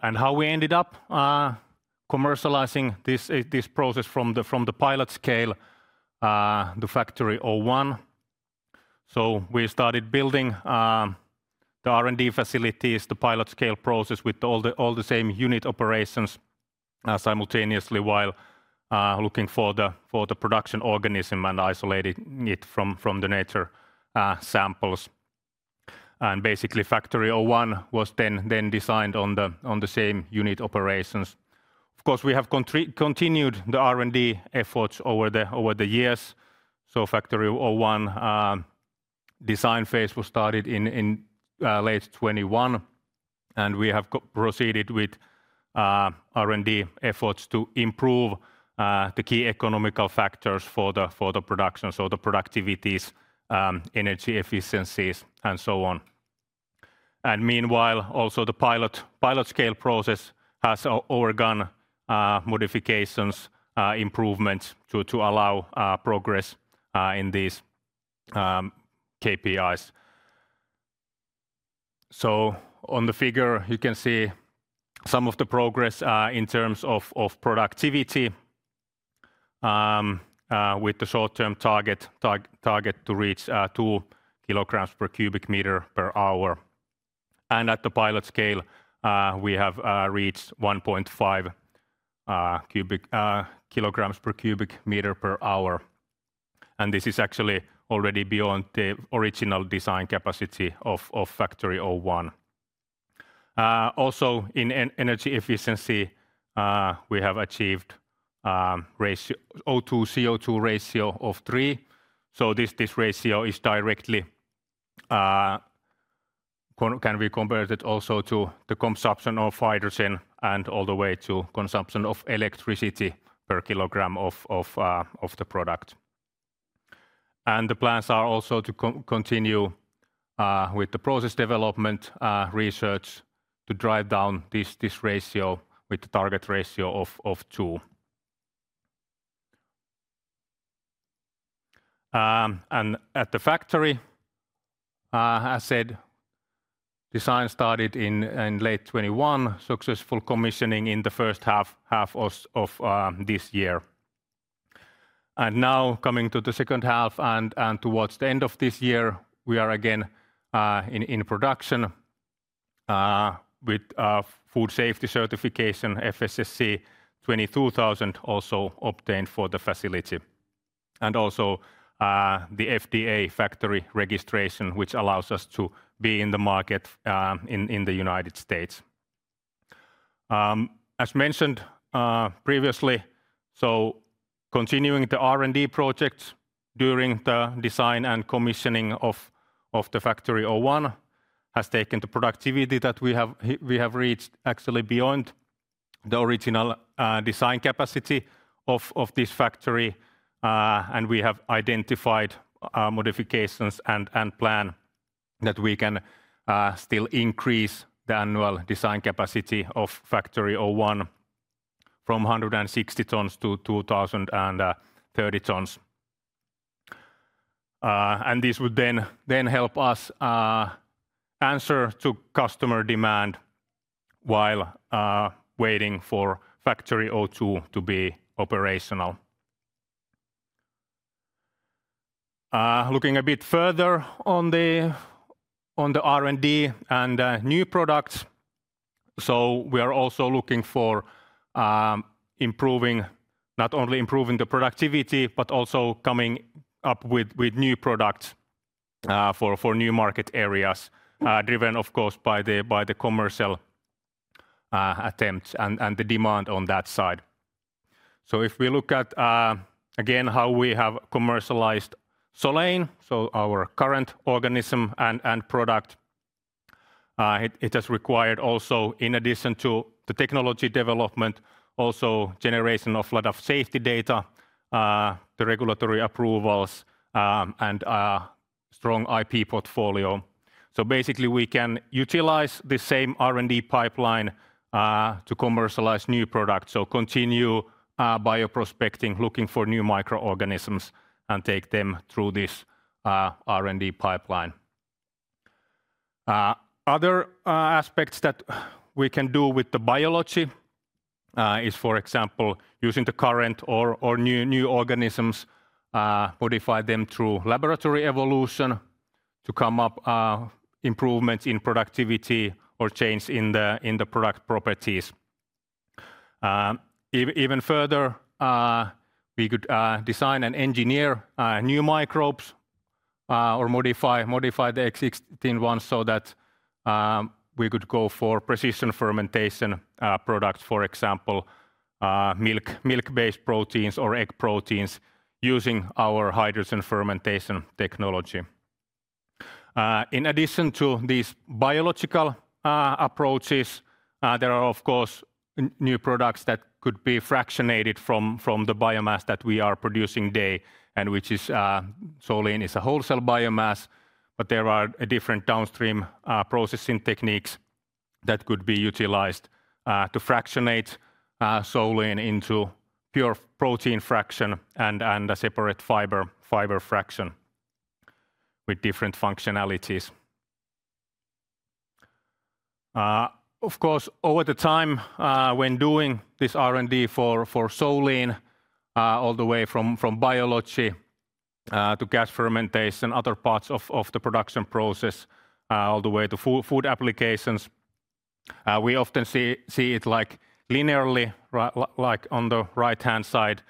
Okay, how we ended up commercializing this process from the pilot scale to Factory 01. We started building the R&D facilities, the pilot scale process with all the same unit operations simultaneously while looking for the production organism and isolating it from the nature samples. Basically, Factory 01 was then designed on the same unit operations. Of course, we have continued the R&D efforts over the years. Factory 01 design phase was started in late 2021. We have proceeded with R&D efforts to improve the key economic factors for the production, so the productivities, energy efficiencies, and so on. Meanwhile, also the pilot scale process has undergone modifications, improvements to allow progress in these KPIs. On the figure, you can see some of the progress in terms of productivity with the short-term target to reach two kilograms per cubic meter per hour. At the pilot scale, we have reached 1.5 kilograms per cubic meter per hour. This is actually already beyond the original design capacity of Factory 01. Also, in energy efficiency, we have achieved O2-CO2 ratio of three. So this ratio is directly can be compared also to the consumption of hydrogen and all the way to consumption of electricity per kilogram of the product. The plans are also to continue with the process development research to drive down this ratio with the target ratio of two. At the factory, as said, design started in late 2021, successful commissioning in the first half of this year. Now coming to the second half and towards the end of this year, we are again in production with food safety certification, FSSC 22000 also obtained for the facility. Also the FDA factory registration, which allows us to be in the market in the United States. As mentioned previously, so continuing the R&D projects during the design and commissioning of the Factory 01 has taken the productivity that we have reached actually beyond the original design capacity of this factory, and we have identified modifications and plan that we can still increase the annual design capacity of Factory 01 from 160 tons to 2,030 tons. This would then help us answer to customer demand while waiting for Factory 02 to be operational. Looking a bit further on the R&D and new products, so we are also looking for improving, not only improving the productivity, but also coming up with new products for new market areas, driven of course by the commercial attempts and the demand on that side. So if we look at again how we have commercialized Solein, so our current organism and product, it has required also in addition to the technology development, also generation of a lot of safety data, the regulatory approvals, and a strong IP portfolio. So basically we can utilize the same R&D pipeline to commercialize new products, so continue bioprospecting, looking for new microorganisms and take them through this R&D pipeline. Other aspects that we can do with the biology is, for example, using the current or new organisms, modify them through laboratory evolution to come up improvements in productivity or change in the product properties. Even further, we could design and engineer new microbes or modify the existing ones so that we could go for precision fermentation products, for example, milk-based proteins or egg proteins using our hydrogen fermentation technology. In addition to these biological approaches, there are of course new products that could be fractionated from the biomass that we are producing today, and which is Solein, a whole biomass, but there are different downstream processing techniques that could be utilized to fractionate Solein into pure protein fraction and a separate fiber fraction with different functionalities. Of course, over the time when doing this R&D for Solein, all the way from biology to gas fermentation, other parts of the production process, all the way to food applications, we often see it linearly, like on the right-hand side,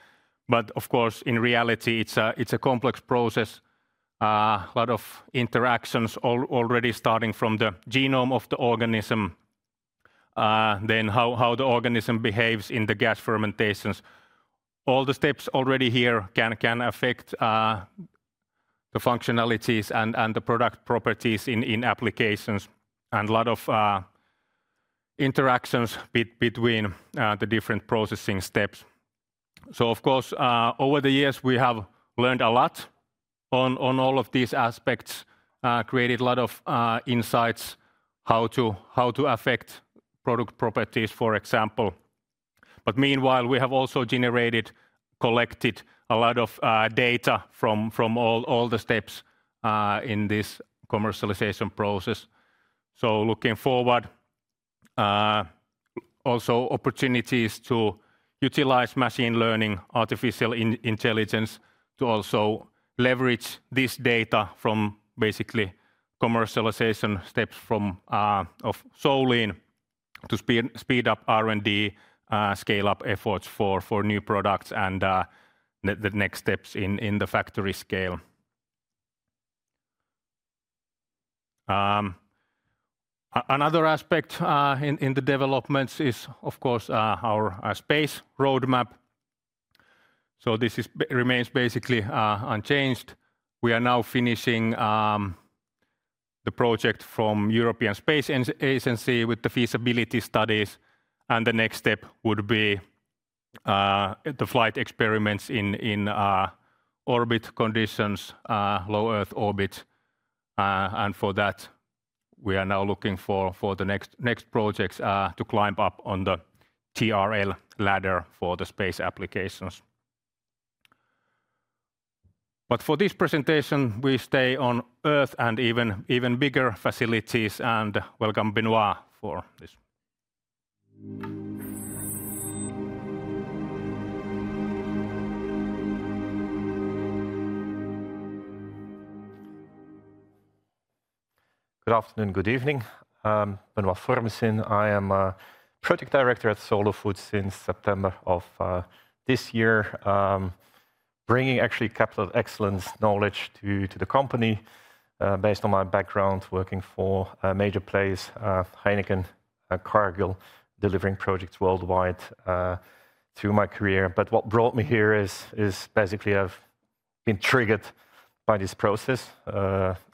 but of course in reality it's a complex process, a lot of interactions already starting from the genome of the organism, then how the organism behaves in the gas fermentations. All the steps already here can affect the functionalities and the product properties in applications and a lot of interactions between the different processing steps. So of course, over the years we have learned a lot on all of these aspects, created a lot of insights how to affect product properties, for example. But meanwhile, we have also generated, collected a lot of data from all the steps in this commercialization process. So looking forward, also opportunities to utilize machine learning, artificial intelligence to also leverage this data from basically commercialization steps of Solein to speed up R&D, scale up efforts for new products and the next steps in the factory scale. Another aspect in the developments is of course our space roadmap. So this remains basically unchanged. We are now finishing the project from European Space Agency with the feasibility studies, and the next step would be the flight experiments in orbit conditions, low Earth orbit, and for that, we are now looking for the next projects to climb up on the TRL ladder for the space applications, but for this presentation, we stay on Earth and even bigger facilities, and welcome Benoit for this. Good afternoon, good evening. Benoit Formesyn, I am a project director at Solar Foods since September of this year, bringing actually capital excellence knowledge to the company based on my background working for major players, Heineken, Cargill, delivering projects worldwide through my career. But what brought me here is basically I've been triggered by this process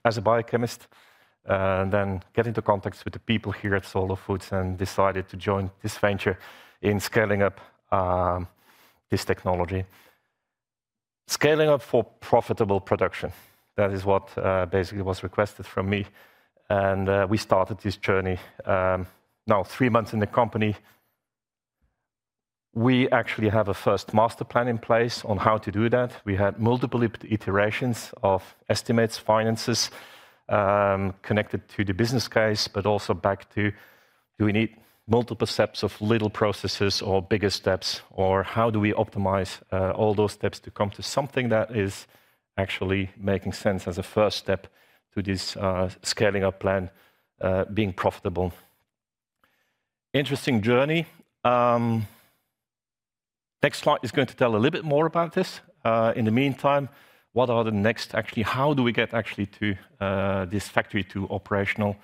as a biochemist and then got into contact with the people here at Solar Foods and decided to join this venture in scaling up this technology. Scaling up for profitable production, that is what basically was requested from me. And we started this journey now three months in the company. We actually have a first master plan in place on how to do that. We had multiple iterations of estimates, finances connected to the business case, but also back to do we need multiple steps of little processes or bigger steps, or how do we optimize all those steps to come to something that is actually making sense as a first step to this scaling up plan being profitable. Interesting journey. Next slide is going to tell a little bit more about this. In the meantime, what are the next actually how do we get actually to this factory to operational?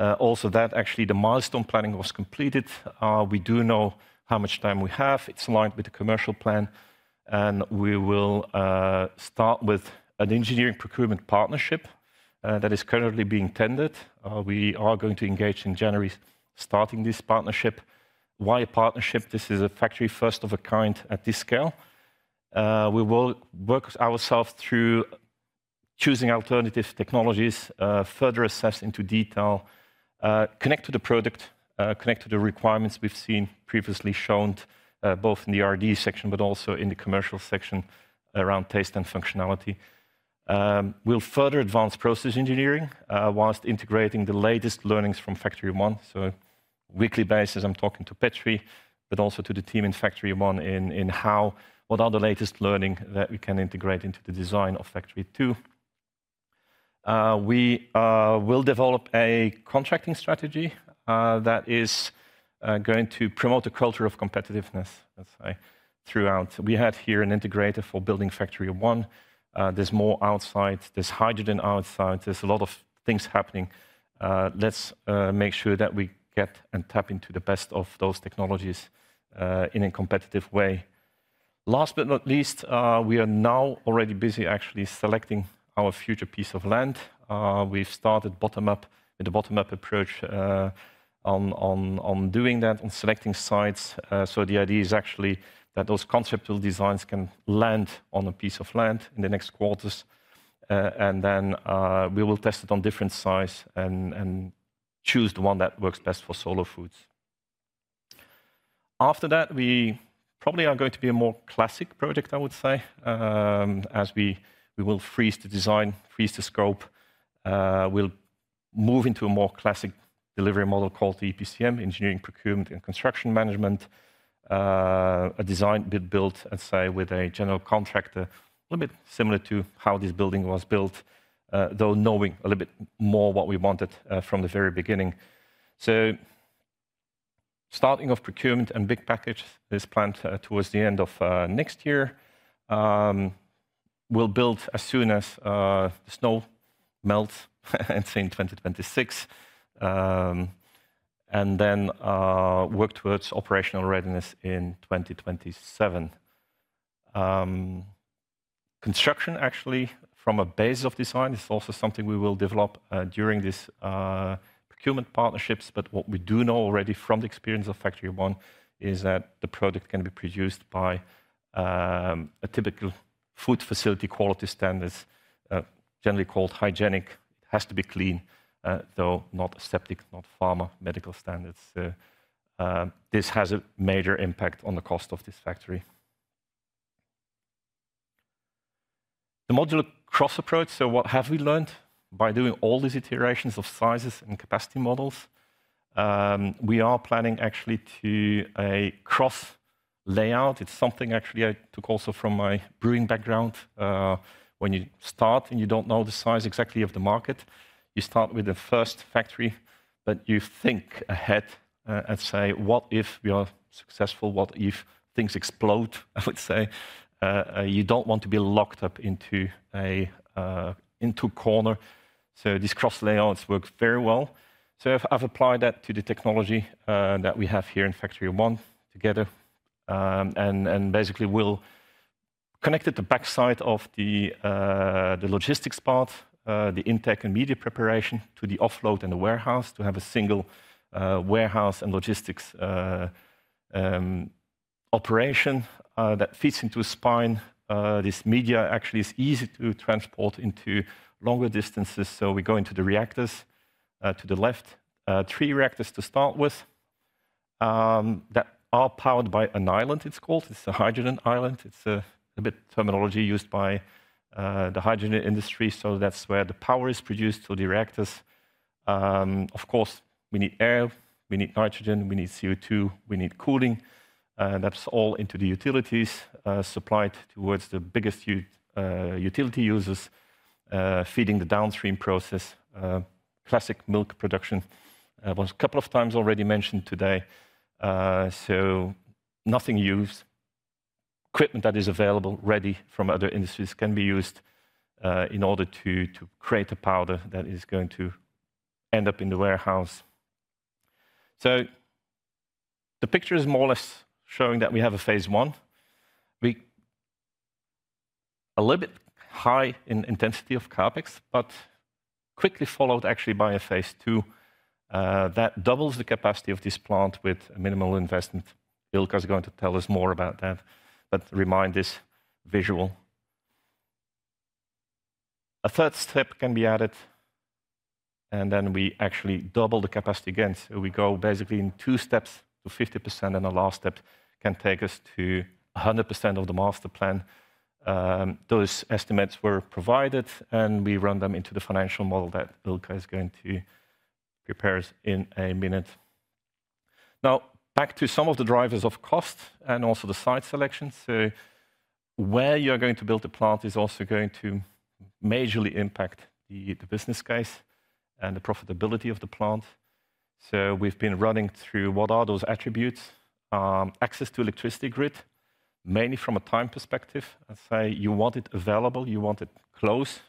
Also, that actually the milestone planning was completed. We do know how much time we have. It's aligned with the commercial plan, and we will start with an engineering procurement partnership that is currently being tendered. We are going to engage in January starting this partnership. Why a partnership? This is a factory first of a kind at this scale. We will work ourselves through choosing alternative technologies, further assess into detail, connect to the product, connect to the requirements we've seen previously shown both in the R&D section, but also in the commercial section around taste and functionality. We'll further advance process engineering while integrating the latest learnings from Factory 1. So, weekly basis, I'm talking to Petri, but also to the team in Factory 1 in how what are the latest learning that we can integrate into the design of Factory 2. We will develop a contracting strategy that is going to promote a culture of competitiveness throughout. We had here an integrator for building Factory 1. There's more outside, there's hydrogen outside, there's a lot of things happening. Let's make sure that we get and tap into the best of those technologies in a competitive way. Last but not least, we are now already busy actually selecting our future piece of land. We've started bottom up with the bottom up approach on doing that, on selecting sites. So the idea is actually that those conceptual designs can land on a piece of land in the next quarters. And then we will test it on different sites and choose the one that works best for Solar Foods. After that, we probably are going to be a more classic project, I would say, as we will freeze the design, freeze the scope. We'll move into a more classic delivery model called EPCM, Engineering, Procurement, and Construction Management, a design built with a general contractor, a little bit similar to how this building was built, though knowing a little bit more what we wanted from the very beginning. So starting off procurement and big package is planned towards the end of next year. We'll build as soon as the snow melts in 2026 and then work towards operational readiness in 2027. Construction actually from a base of design is also something we will develop during these procurement partnerships. What we do know already from the experience of Factory 01 is that the product can be produced by a typical food facility quality standards, generally called hygienic. It has to be clean, though not aseptic, not pharmaceutical standards. This has a major impact on the cost of this factory. The modular cross approach, so what have we learned by doing all these iterations of sizes and capacity models? We are planning actually to a cross layout. It's something actually I took also from my brewing background. When you start and you don't know the size exactly of the market, you start with the first factory, but you think ahead and say, what if we are successful? What if things explode, I would say? You don't want to be locked up into a corner. So these cross layouts work very well. So I've applied that to the technology that we have here in Factory 01 together. And basically we'll connect at the backside of the logistics part, the intake and media preparation to the offload and the warehouse to have a single warehouse and logistics operation that fits into a spine. This media actually is easy to transport into longer distances. So we go into the reactors to the left, three reactors to start with that are powered by an island, it's called. It's a hydrogen island. It's a bit of terminology used by the hydrogen industry. So that's where the power is produced through the reactors. Of course, we need air, we need nitrogen, we need CO2, we need cooling. That's all into the utilities supplied towards the biggest utility users feeding the downstream process. Classic milk production was a couple of times already mentioned today. So nothing used, equipment that is available ready from other industries can be used in order to create a powder that is going to end up in the warehouse. So the picture is more or less showing that we have a phase one. A little bit high in intensity of CapEx, but quickly followed actually by a phase two that doubles the capacity of this plant with minimal investment. Ilkka is going to tell us more about that, but remember this visual. A third step can be added, and then we actually double the capacity again. So we go basically in two steps to 50% and the last step can take us to 100% of the master plan. Those estimates were provided and we run them into the financial model that Ilkka is going to prepare in a minute. Now back to some of the drivers of cost and also the site selection. So where you're going to build the plant is also going to majorly impact the business case and the profitability of the plant. So we've been running through what are those attributes, access to electricity grid, mainly from a time perspective. I'd say you want it available, you want it close.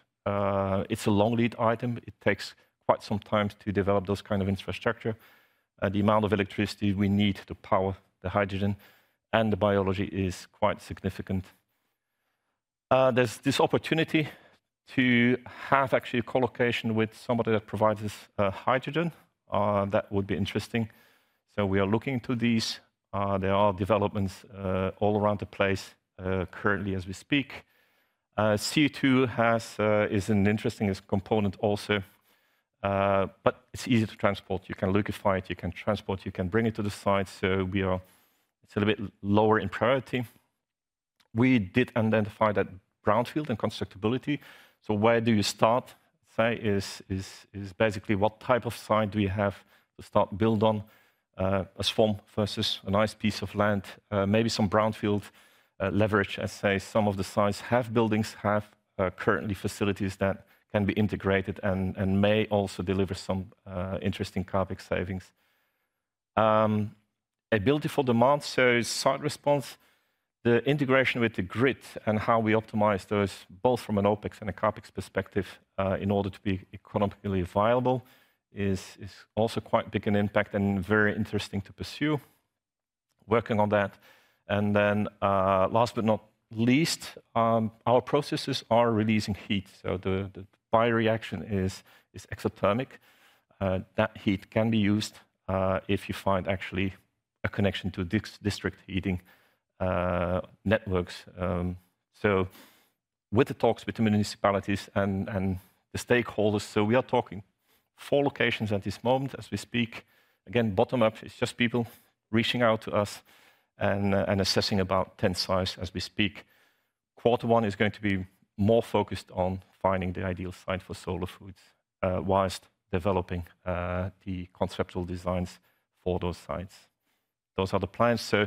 It's a long lead item. It takes quite some time to develop those kinds of infrastructure. The amount of electricity we need to power the hydrogen and the biology is quite significant. There's this opportunity to have actually a colocation with somebody that provides us hydrogen. That would be interesting. So we are looking to these. There are developments all around the place currently as we speak. CO2 is an interesting component also, but it's easy to transport. You can liquefy it, you can transport it, you can bring it to the site. So it's a little bit lower in priority. We did identify that brownfield and constructability. So where do you start, I'd say, is basically what type of site do you have to start to build on a swamp versus a nice piece of land, maybe some brownfield leverage, I'd say. Some of the sites have buildings, have current facilities that can be integrated and may also deliver some interesting CapEx savings. A building footprint, so site response, the integration with the grid and how we optimize those both from an OpEx and a CapEx perspective in order to be economically viable is also quite big an impact and very interesting to pursue. Working on that. And then last but not least, our processes are releasing heat. So the bioreaction is exothermic. That heat can be used if you find actually a connection to district heating networks. So with the talks with the municipalities and the stakeholders, so we are talking four locations at this moment as we speak. Again, bottom up is just people reaching out to us and assessing about 10 sites as we speak. Quarter one is going to be more focused on finding the ideal site for Solar Foods whilst developing the conceptual designs for those sites. Those are the plans. So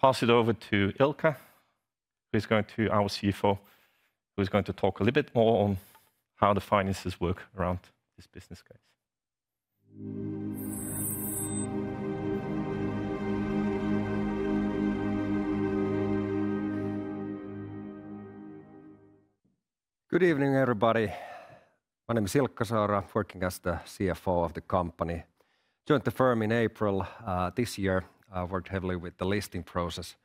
pass it over to Ilkka, who is our CFO, who is going to talk a little bit more on how the finances work around this business case. Good evening, everybody. My name is Ilkka Saura, working as the CFO of the company. Joined the firm in April this year. I worked heavily with the listing process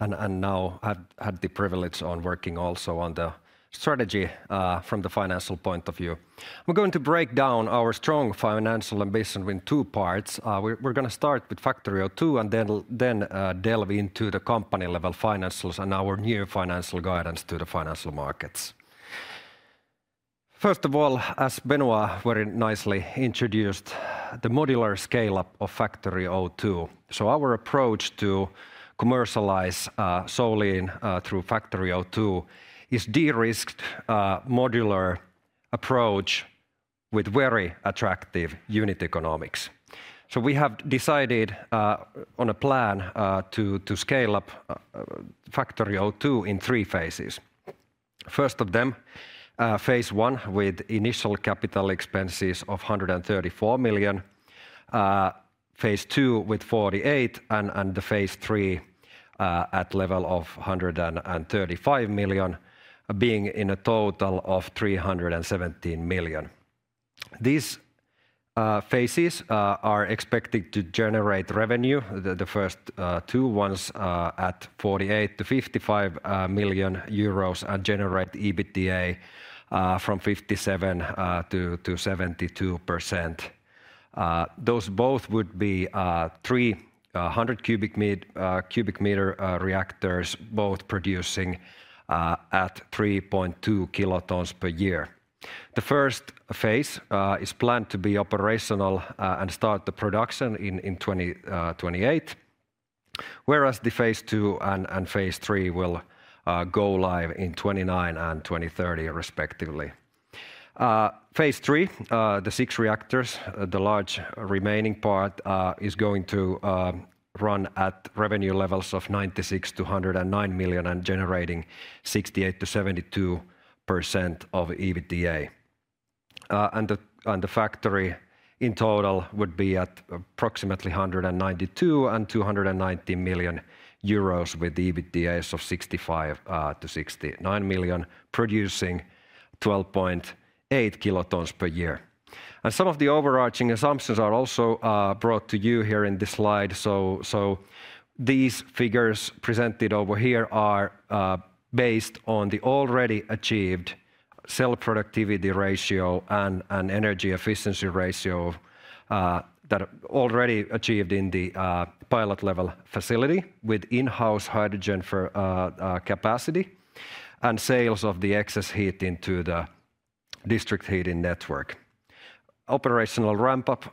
and now had the privilege of working also on the strategy from the financial point of view. We're going to break down our strong financial ambition in two parts. We're going to start with Factory 02 and then delve into the company-level financials and our new financial guidance to the financial markets. First of all, as Benoit very nicely introduced, the modular scale-up of Factory 02. So our approach to commercialize Solein through Factory 02 is de-risked modular approach with very attractive unit economics. So we have decided on a plan to scale up Factory 02 in three phases. First of them, phase one with initial capital expenses of 134 million, phase two with 48, and the phase three at level of 135 million being a total of 317 million. These phases are expected to generate revenue. The first two ones at EUR 48million-55 million and generate EBITDA from 57%-72%. Those both would be 300 cubic meter reactors both producing at 3.2 kilotons per year. The first phase is planned to be operational and start the production in 2028, whereas the phase two and phase three will go live in 2029 and 2030 respectively. Phase three, the six reactors, the large remaining part is going to run at revenue levels of EUR 96million-109 million and generating 68%-72% of EBITDA. The factory in total would be at approximately EUR 192million-290 million with EBTAs of EUR 65million-69 million producing 12.8 kilotons per year. Some of the overarching assumptions are also brought to you here in this slide. These figures presented over here are based on the already achieved cell productivity ratio and energy efficiency ratio that are already achieved in the pilot level facility with in-house hydrogen capacity and sales of the excess heat into the district heating network. Operational ramp-up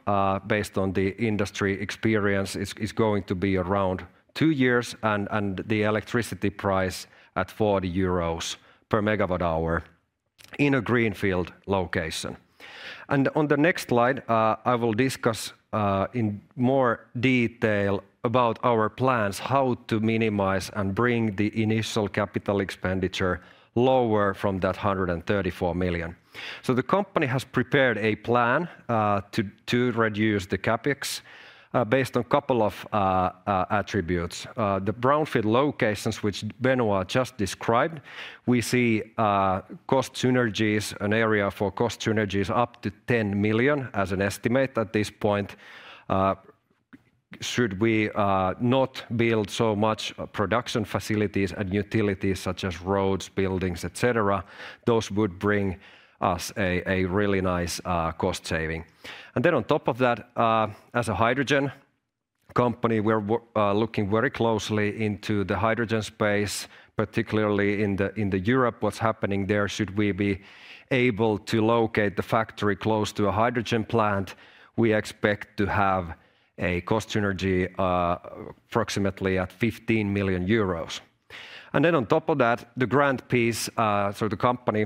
based on the industry experience is going to be around two years and the electricity price at 40 euros per megawatt hour in a greenfield location. And on the next slide, I will discuss in more detail about our plans how to minimize and bring the initial capital expenditure lower from that 134 million. The company has prepared a plan to reduce the CapEx based on a couple of attributes. The brownfield locations which Benoit just described, we see cost synergies, an area for cost synergies up to 10 million as an estimate at this point. Should we not build so much production facilities and utilities such as roads, buildings, etc., those would bring us a really nice cost saving. And then on top of that, as a hydrogen company, we're looking very closely into the hydrogen space, particularly in Europe. What's happening there? Should we be able to locate the factory close to a hydrogen plant, we expect to have a cost synergy approximately at 15 million euros. And then on top of that, the grand piece, so the company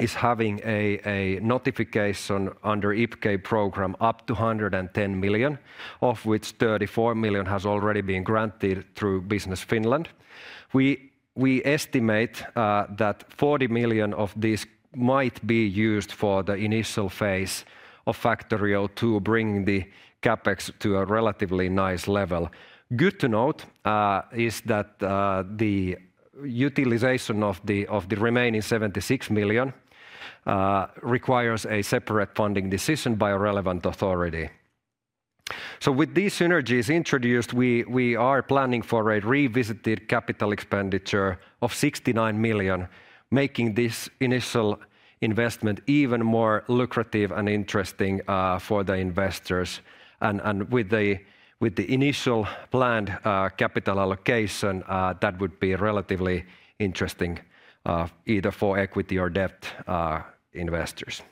is having a notification under IPCEI program up to 110 million, of which 34 million has already been granted through Business Finland. We estimate that 40 million of these might be used for the initial phase of Factory 02, bringing the CapEx to a relatively nice level. Good to note is that the utilization of the remaining 76 million requires a separate funding decision by a relevant authority. So with these synergies introduced, we are planning for a revisited capital expenditure of 69 million, making this initial investment even more lucrative and interesting for the investors. And with the initial planned capital allocation, that would be relatively interesting either for equity or debt investors.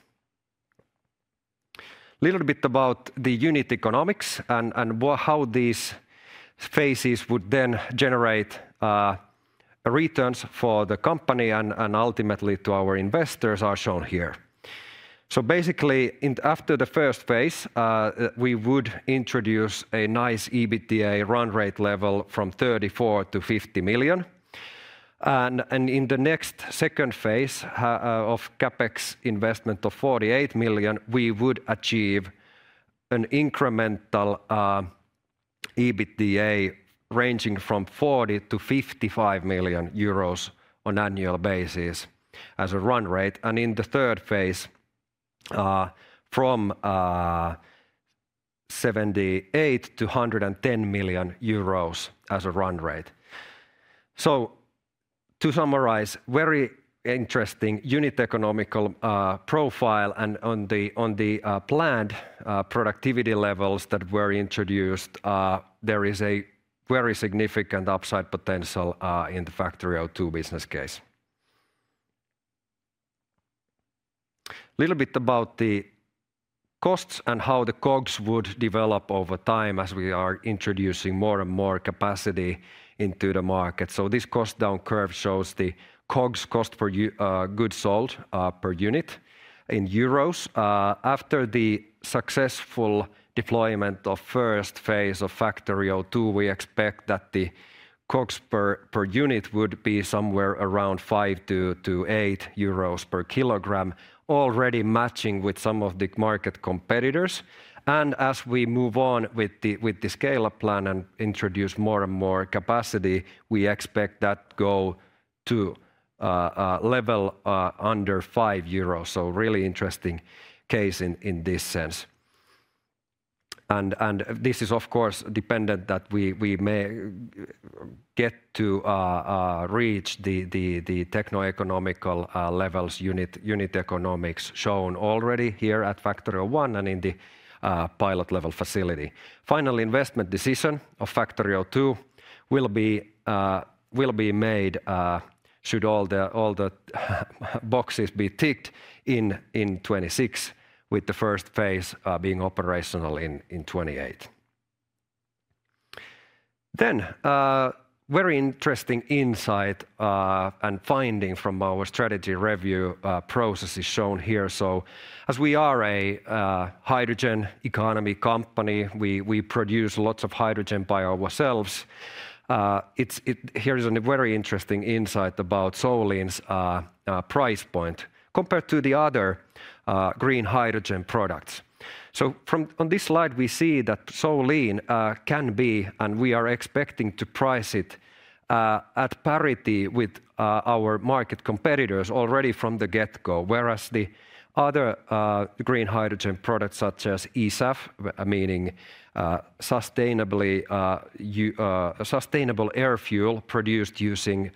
A little bit about the unit economics and how these phases would then generate returns for the company and ultimately to our investors are shown here. So basically after the first phase, we would introduce a nice EBITDA run rate level from 34 million to 50 million. And in the next second phase of CapEx investment of 48 million, we would achieve an incremental EBITDA ranging from 40 million to 55 million euros on an annual basis as a run rate. In the third phase, from EUR 78 million to 110 million euros as a run rate. To summarize, very interesting unit economics profile and on the planned productivity levels that were introduced, there is a very significant upside potential in the Factory 02 business case. A little bit about the costs and how the COGS would develop over time as we are introducing more and more capacity into the market. This cost down curve shows the COGS, cost of goods sold, per unit in euros. After the successful deployment of first phase of Factory 02, we expect that the COGS per unit would be somewhere around 5-8 euros per kilogram, already matching with some of the market competitors. As we move on with the scale-up plan and introduce more and more capacity, we expect that it will go to a level under 5 euros. Really interesting case in this sense. This is of course dependent that we may get to reach the techno-economic levels, unit economics shown already here at Factory 01 and in the pilot level facility. Final investment decision of Factory 02 will be made should all the boxes be ticked in 2026 with the first phase being operational in 2028. Very interesting insight and finding from our strategy review process is shown here. As we are a hydrogen economy company, we produce lots of hydrogen by ourselves. Here is a very interesting insight about Solein's price point compared to the other green hydrogen products. So on this slide, we see that Solein can be, and we are expecting to price it at parity with our market competitors already from the get-go, whereas the other green hydrogen products such as SAF, meaning sustainable aviation fuel produced using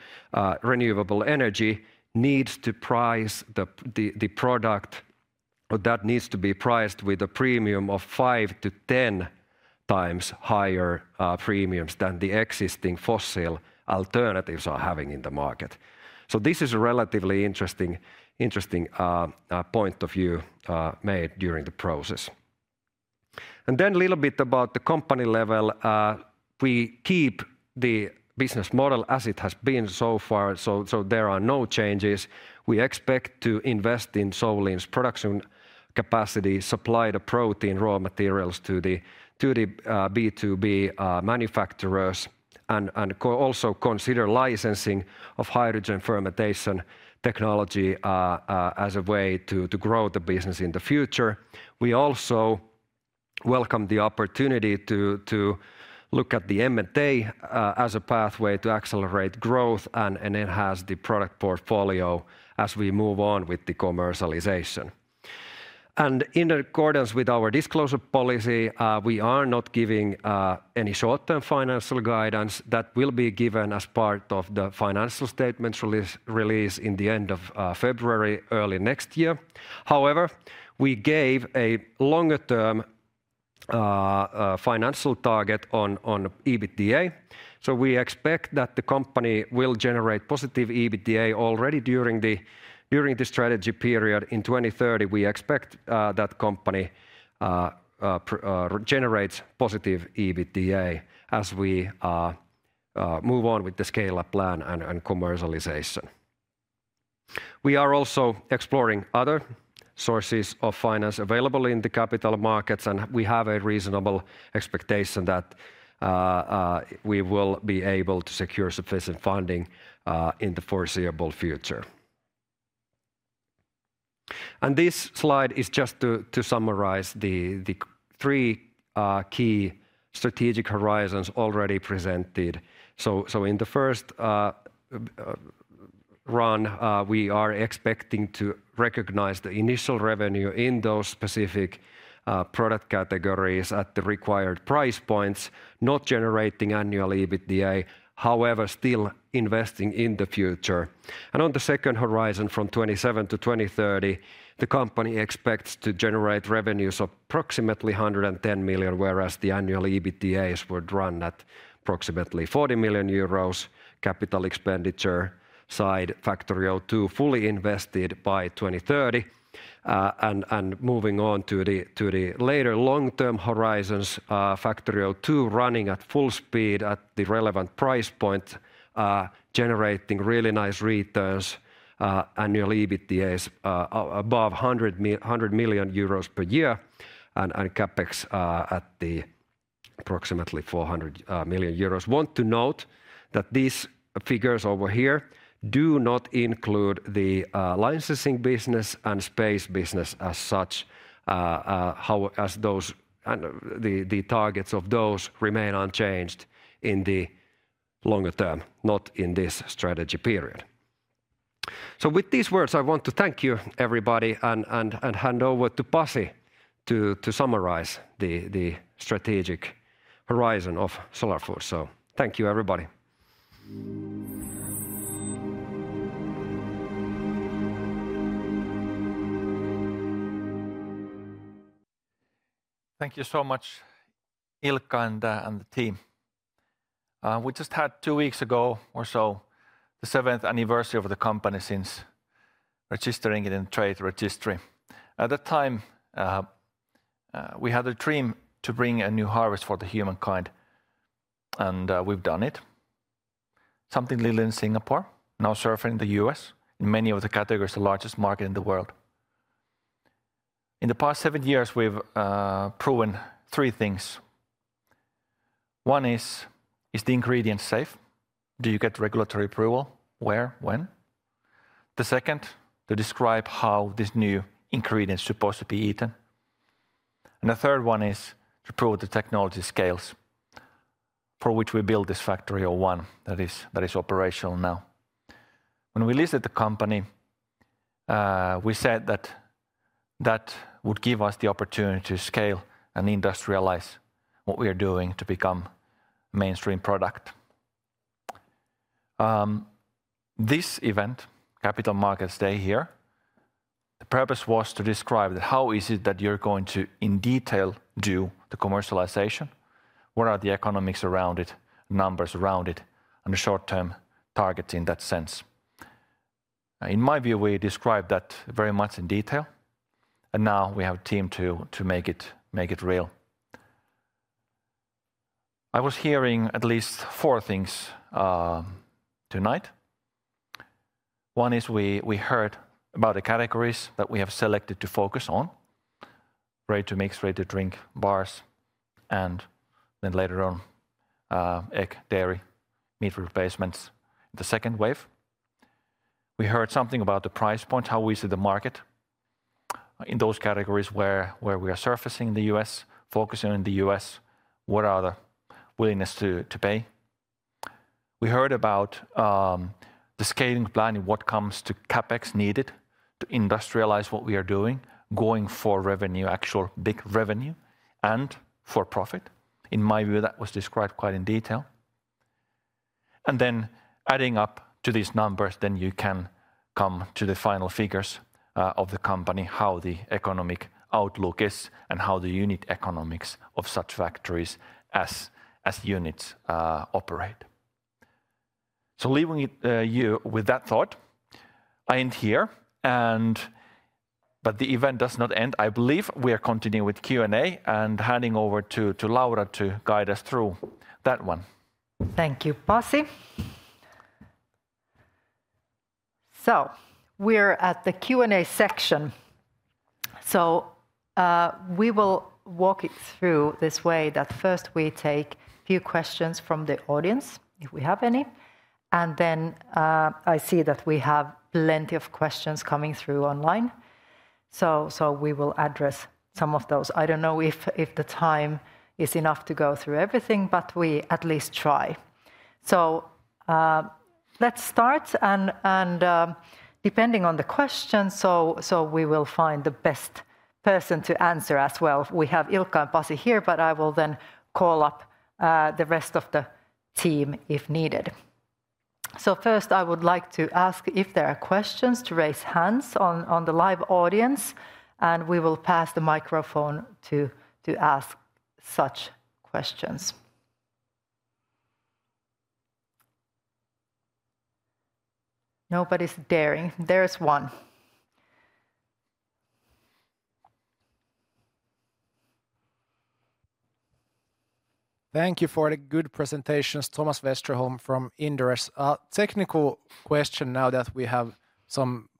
renewable energy, needs to price the product that needs to be priced with a premium of 5-10 times higher premiums than the existing fossil alternatives are having in the market. This is a relatively interesting point of view made during the process. Then a little bit about the company level. We keep the business model as it has been so far, so there are no changes. We expect to invest in Solein's production capacity, supply the protein raw materials to the B2B manufacturers, and also consider licensing of hydrogen fermentation technology as a way to grow the business in the future. We also welcome the opportunity to look at the M&A as a pathway to accelerate growth and enhance the product portfolio as we move on with the commercialization, and in accordance with our disclosure policy, we are not giving any short-term financial guidance that will be given as part of the financial statements release in the end of February early next year. However, we gave a longer-term financial target on EBITDA, so we expect that the company will generate positive EBITDA already during the strategy period in 2030. We expect that company generates positive EBITDA as we move on with the scale-up plan and commercialization. We are also exploring other sources of finance available in the capital markets, and we have a reasonable expectation that we will be able to secure sufficient funding in the foreseeable future. This slide is just to summarize the three key strategic horizons already presented. So in the first run, we are expecting to recognize the initial revenue in those specific product categories at the required price points, not generating annual EBITDA, however still investing in the future. On the second horizon from 27 to 2030, the company expects to generate revenues of approximately 110 million, whereas the annual EBITDA is drawn at approximately 40 million euros. On the capital expenditure side, Factory 02 fully invested by 2030. Moving on to the later long-term horizons, Factory 02 running at full speed at the relevant price point, generating really nice returns, annual EBITDA above 100 million euros per year and CapEx at approximately 400 million euros. want to note that these figures over here do not include the licensing business and space business as such, as the targets of those remain unchanged in the longer term, not in this strategy period. So with these words, I want to thank you everybody and hand over to Pasi to summarize the strategic horizon of Solar Foods. So thank you everybody. Thank you so much, Ilkka and the team. We just had two weeks ago or so the seventh anniversary of the company since registering it in the trade registry. At that time, we had a dream to bring a new harvest for humankind, and we've done it. Something little in Singapore, now surfing the U.S. in many of the categories, the largest market in the world. In the past seven years, we've proven three things. One is, is the ingredients safe? Do you get regulatory approval? Where? When? The second, to describe how this new ingredient is supposed to be eaten, and the third one is to prove the technology scales for which we built this Factory 01 that is operational now. When we listed the company, we said that that would give us the opportunity to scale and industrialize what we are doing to become a mainstream product. This event, Capital Markets Day here, the purpose was to describe that how is it that you're going to in detail do the commercialization, what are the economics around it, numbers around it, and the short-term targets in that sense. In my view, we described that very much in detail, and now we have a team to make it real. I was hearing at least four things tonight. One is we heard about the categories that we have selected to focus on: ready-to-mix, ready-to-drink, bars, and then later on egg, dairy, meat replacements in the second wave. We heard something about the price point, how we see the market in those categories where we are surfacing in the U.S., focusing on the us, what are the willingness to pay. We heard about the scaling plan when it comes to CapEx needed to industrialize what we are doing, going for revenue, actual big revenue, and for profit. In my view, that was described quite in detail. And then adding up to these numbers, then you can come to the final figures of the company, how the economic outlook is and how the unit economics of such factories as units operate. So leaving it with that thought, I end here, but the event does not end. I believe we are continuing with Q&A and handing over to Laura to guide us through that one. Thank you Pasi. So we're at the Q&A section. So we will walk it through this way that first we take a few questions from the audience if we have any. And then I see that we have plenty of questions coming through online. So we will address some of those. I don't know if the time is enough to go through everything, but we at least try. So let's start. And depending on the question, so we will find the best person to answer as well. We have Ilkka and Pasi here, but I will then call up the rest of the team if needed. So first, I would like to ask if there are questions. Raise hands in the live audience, and we will pass the microphone to ask such questions. Nobody's daring. There's one. Thank you for the good presentations. Thomas Westerholm from Inderes. A technical question now that we have some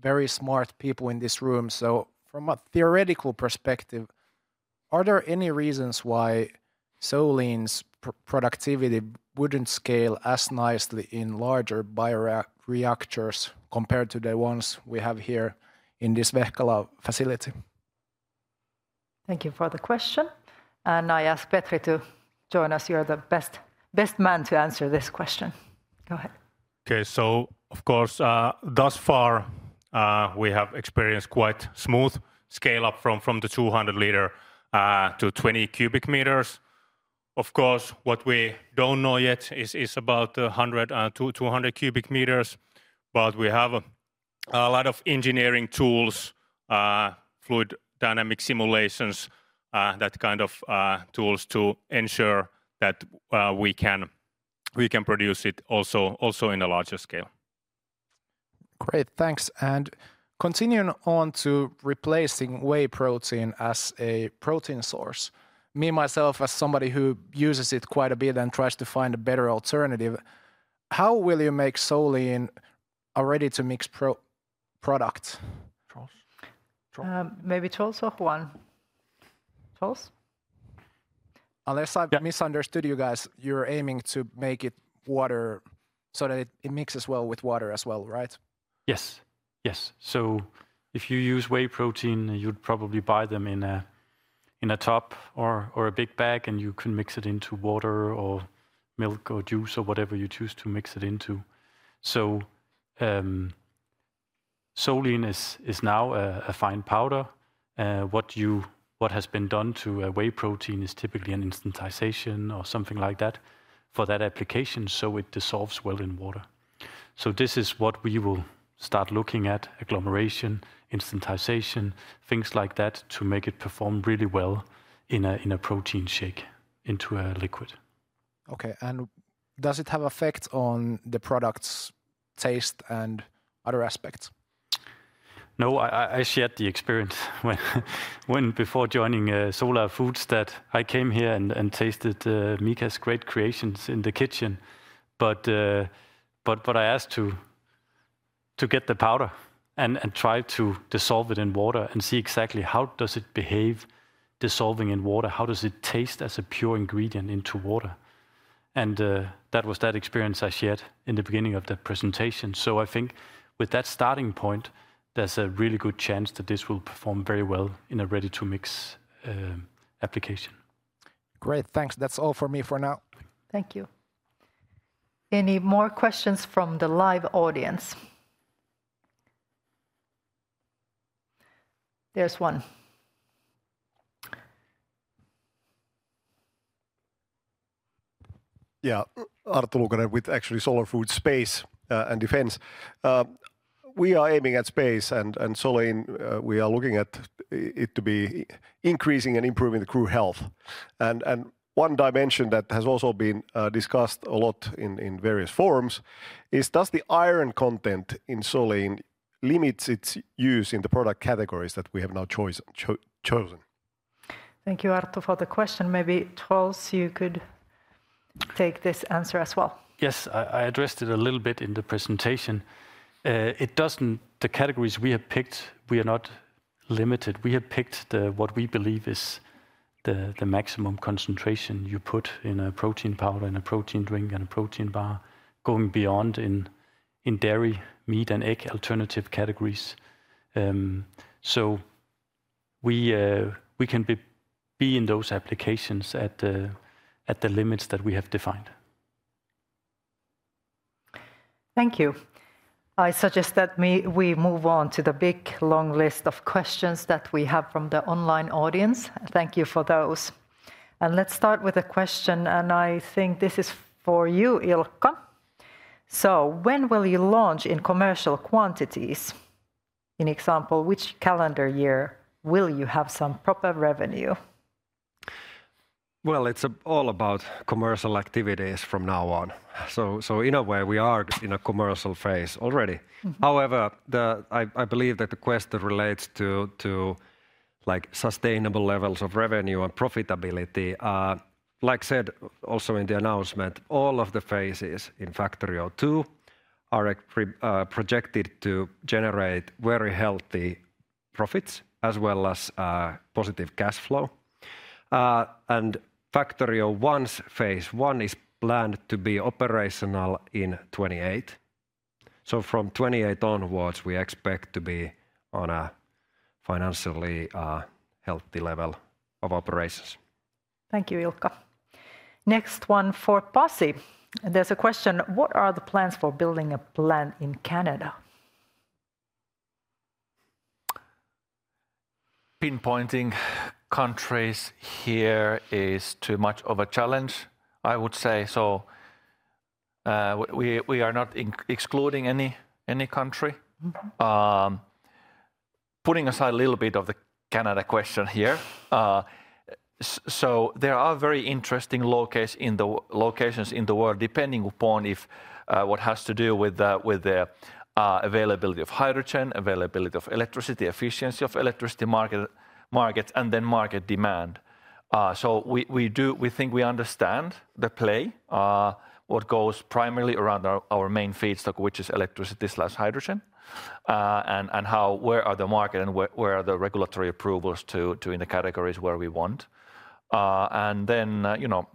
very smart people in this room. So from a theoretical perspective, are there any reasons why Solein's productivity wouldn't scale as nicely in larger bioreactors compared to the ones we have here in this Vehkala facility? Thank you for the question. And I ask Petri to join us. You are the best man to answer this question. Go ahead. Okay, so of course, thus far, we have experienced quite smooth scale-up from the 200 liters to 20 cubic meters. Of course, what we don't know yet is about the 100 and 200 cubic meters, but we have a lot of engineering tools, fluid dynamic simulations, that kind of tools to ensure that we can produce it also in a larger scale. Great, thanks. And continuing on to replacing whey protein as a protein source. Me, myself, as somebody who uses it quite a bit and tries to find a better alternative, how will you make Solein a ready-to-mix product? Maybe two, one. Unless I misunderstood you guys, you're aiming to make it water so that it mixes well with water as well, right? Yes, yes. So if you use whey protein, you'd probably buy them in a tub or a big bag, and you can mix it into water or milk or juice or whatever you choose to mix it into. So Solein is now a fine powder. What has been done to a whey protein is typically an instantization or something like that for that application, so it dissolves well in water. So this is what we will start looking at: agglomeration, instantization, things like that to make it perform really well in a protein shake into a liquid. Okay, and does it have an effect on the product's taste and other aspects? No, I shared the experience before joining Solar Foods that I came here and tasted Mika's great creations in the kitchen. But I asked to get the powder and try to dissolve it in water and see exactly how does it behave dissolving in water, how does it taste as a pure ingredient into water. And that was that experience I shared in the beginning of the presentation. So I think with that starting point, there's a really good chance that this will perform very well in a ready-to-mix application. Great, thanks. That's all for me for now. Thank you. Any more questions from the live audience? There's one. Yeah, Arttu Luukanen with actually Solar Foods Space and Defense. We are aiming at space and Solein, we are looking at it to be increasing and improving the crew health. And one dimension that has also been discussed a lot in various forums is, does the iron content in Solein limit its use in the product categories that we have now chosen? Thank you, Arttu, for the question. Maybe Troels, you could take this answer as well. Yes, I addressed it a little bit in the presentation. The categories we have picked, we are not limited. We have picked what we believe is the maximum concentration you put in a protein powder, in a protein drink, and a protein bar, going beyond in dairy, meat, and egg alternative categories. So we can be in those applications at the limits that we have defined. Thank you. I suggest that we move on to the big long list of questions that we have from the online audience. Thank you for those, and let's start with a question, and I think this is for you, Ilkka. So when will you launch in commercial quantities? For example, which calendar year will you have some proper revenue? Well, it's all about commercial activities from now on. So in a way, we are in a commercial phase already. However, I believe that the question relates to sustainable levels of revenue and profitability. Like said also in the announcement, all of the phases in Factory 02 are projected to generate very healthy profits as well as positive cash flow, and Factory 01's phase one is planned to be operational in 2028. So from 2028 onwards, we expect to be on a financially healthy level of operations. Thank you, Ilkka. Next one for Pasi. There's a question. What are the plans for building a plant in Canada? Pinpointing countries here is too much of a challenge, I would say, so we are not excluding any country. Putting aside a little bit of the Canada question here, so there are very interesting locations in the world depending upon what has to do with the availability of hydrogen, availability of electricity, efficiency of electricity markets, and then market demand. So we think we understand the play, what goes primarily around our main feedstock, which is electricity slash hydrogen, and where are the market and where are the regulatory approvals to do in the categories where we want. And then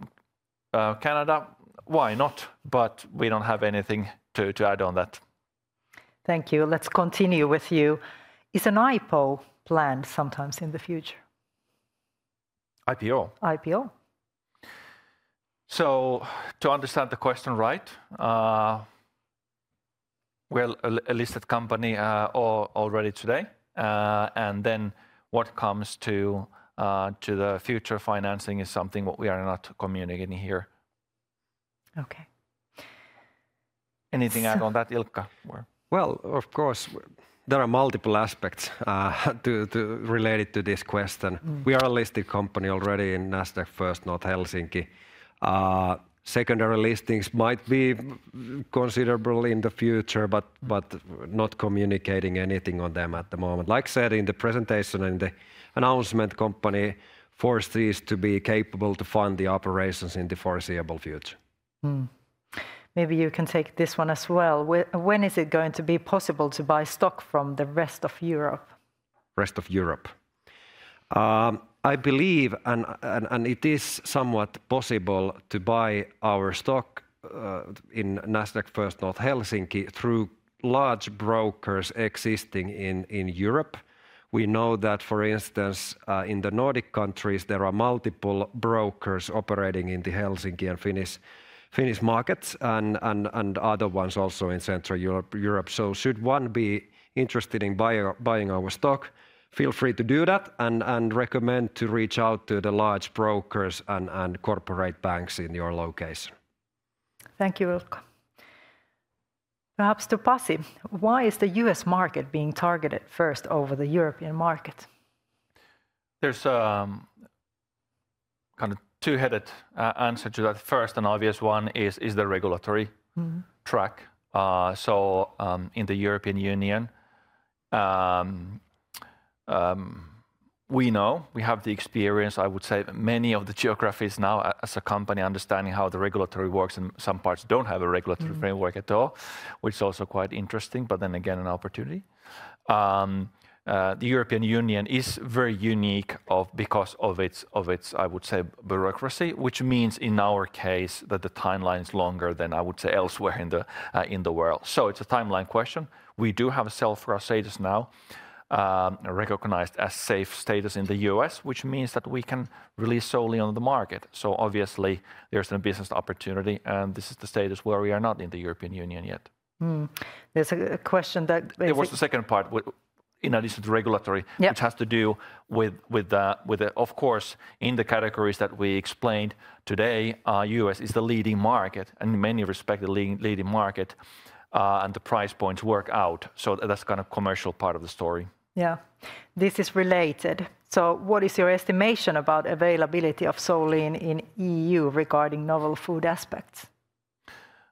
Canada, why not? But we don't have anything to add on that. Thank you. Let's continue with you. Is an IPO planned sometimes in the future? IPO. IPO. So to understand the question right, we're a listed company already today. And then what comes to the future financing is something what we are not communicating here. Okay. Anything to add on that, Ilkka? Well, of course, there are multiple aspects related to this question. We are a listed company already in Nasdaq First North Helsinki. Secondary listings might be considerable in the future, but not communicating anything on them at the moment. As said in the presentation and in the announcement, the company forecasts to be capable to fund the operations in the foreseeable future. Maybe you can take this one as well. When is it going to be possible to buy stock from the rest of Europe? Rest of Europe. I believe, and it is somewhat possible to buy our stock in Nasdaq First North Helsinki through large brokers existing in Europe. We know that, for instance, in the Nordic countries, there are multiple brokers operating in the Helsinki and Finnish markets and other ones also in Central Europe. So should one be interested in buying our stock, feel free to do that and recommend to reach out to the large brokers and corporate banks in your location. Thank you, Ilkka. Perhaps to Pasi, why is the U.S. market being targeted first over the European market? There's a kind of two-headed answer to that. First, an obvious one is the regulatory track, so in the European Union, we know, we have the experience, I would say, many of the geographies now as a company understanding how the regulatory works, and some parts don't have a regulatory framework at all, which is also quite interesting, but then again, an opportunity. The European Union is very unique because of its, I would say, bureaucracy, which means in our case that the timeline is longer than, I would say, elsewhere in the world. It's a timeline question. We do have a GRAS status now, recognized as safe status in the U.S., which means that we can release Solein on the market, so obviously, there's a business opportunity, and this is the status where we are not in the European Union yet. There's a question that... There was the second part in addition to regulatory, which has to do with, of course, in the categories that we explained today. U.S. is the leading market, and in many respects, the leading market, and the price points work out. That's kind of the commercial part of the story. Yeah, this is related. What is your estimation about availability of Solein in EU regarding novel food aspects?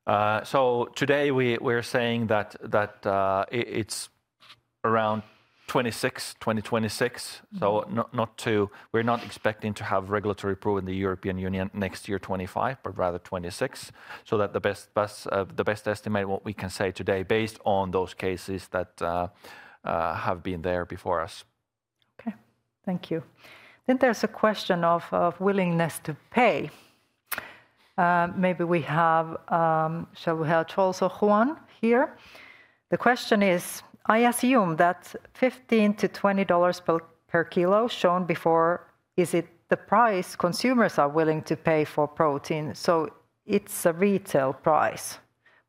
Today, we're saying that it's around 2026. We're not expecting to have regulatory approval in the European Union next year, 2025, but rather 2026. That's the best estimate of what we can say today based on those cases that have been there before us. Okay, thank you. There's a question of willingness to pay. Maybe we have, shall we have Troels or Juan here? The question is, I assume that $15-$20 per kilo shown before, is it the price consumers are willing to pay for protein? So it's a retail price.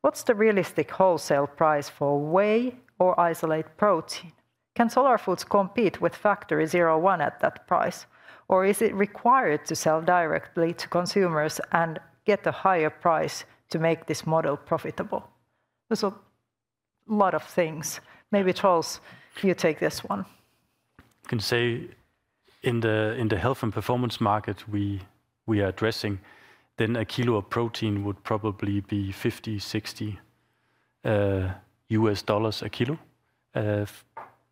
What's the realistic wholesale price for whey or isolate protein? Can Solar Foods compete with Factory 01 at that price? Or is it required to sell directly to consumers and get a higher price to make this model profitable? There's a lot of things. Maybe Troels, you take this one. Can say in the health and performance market, we are addressing, then a kilo of protein would probably be $50-$60 a kilo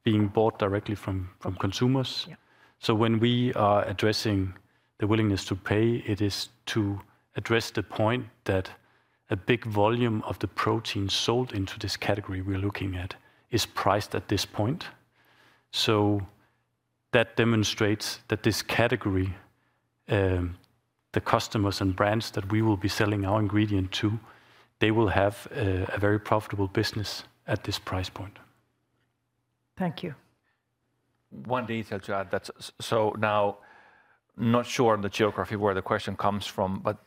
being bought directly from consumers. So when we are addressing the willingness to pay, it is to address the point that a big volume of the protein sold into this category we're looking at is priced at this point. So that demonstrates that this category, the customers and brands that we will be selling our ingredient to, they will have a very profitable business at this price point. Thank you. One detail to add. So now, not sure on the geography where the question comes from, but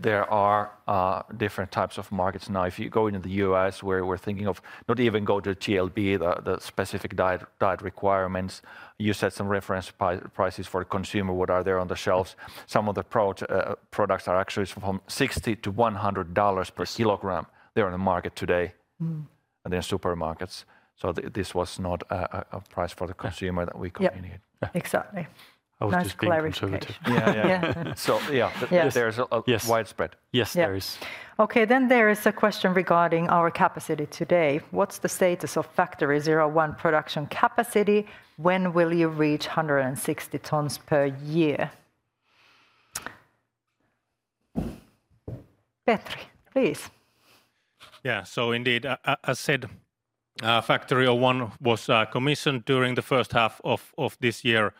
there are different types of markets. Now, if you go into the U.S., where we're thinking of not even going to GLP-1, the specific diet requirements, you said some reference prices for the consumer, what are there on the shelves. Some of the products are actually from $60-$100 per kilogram there on the market today, and then supermarkets. So this was not a price for the consumer that we communicated. Exactly. That's clearly conservative. Yeah, yeah. So yeah, there's widespread. Yes, there is. Okay, then there is a question regarding our capacity today. What's the status of Factory 01 production capacity? When will you reach 160 tons per year? Petri, please. Yeah, so indeed, as said, Factory 01 was commissioned during the first half of this year.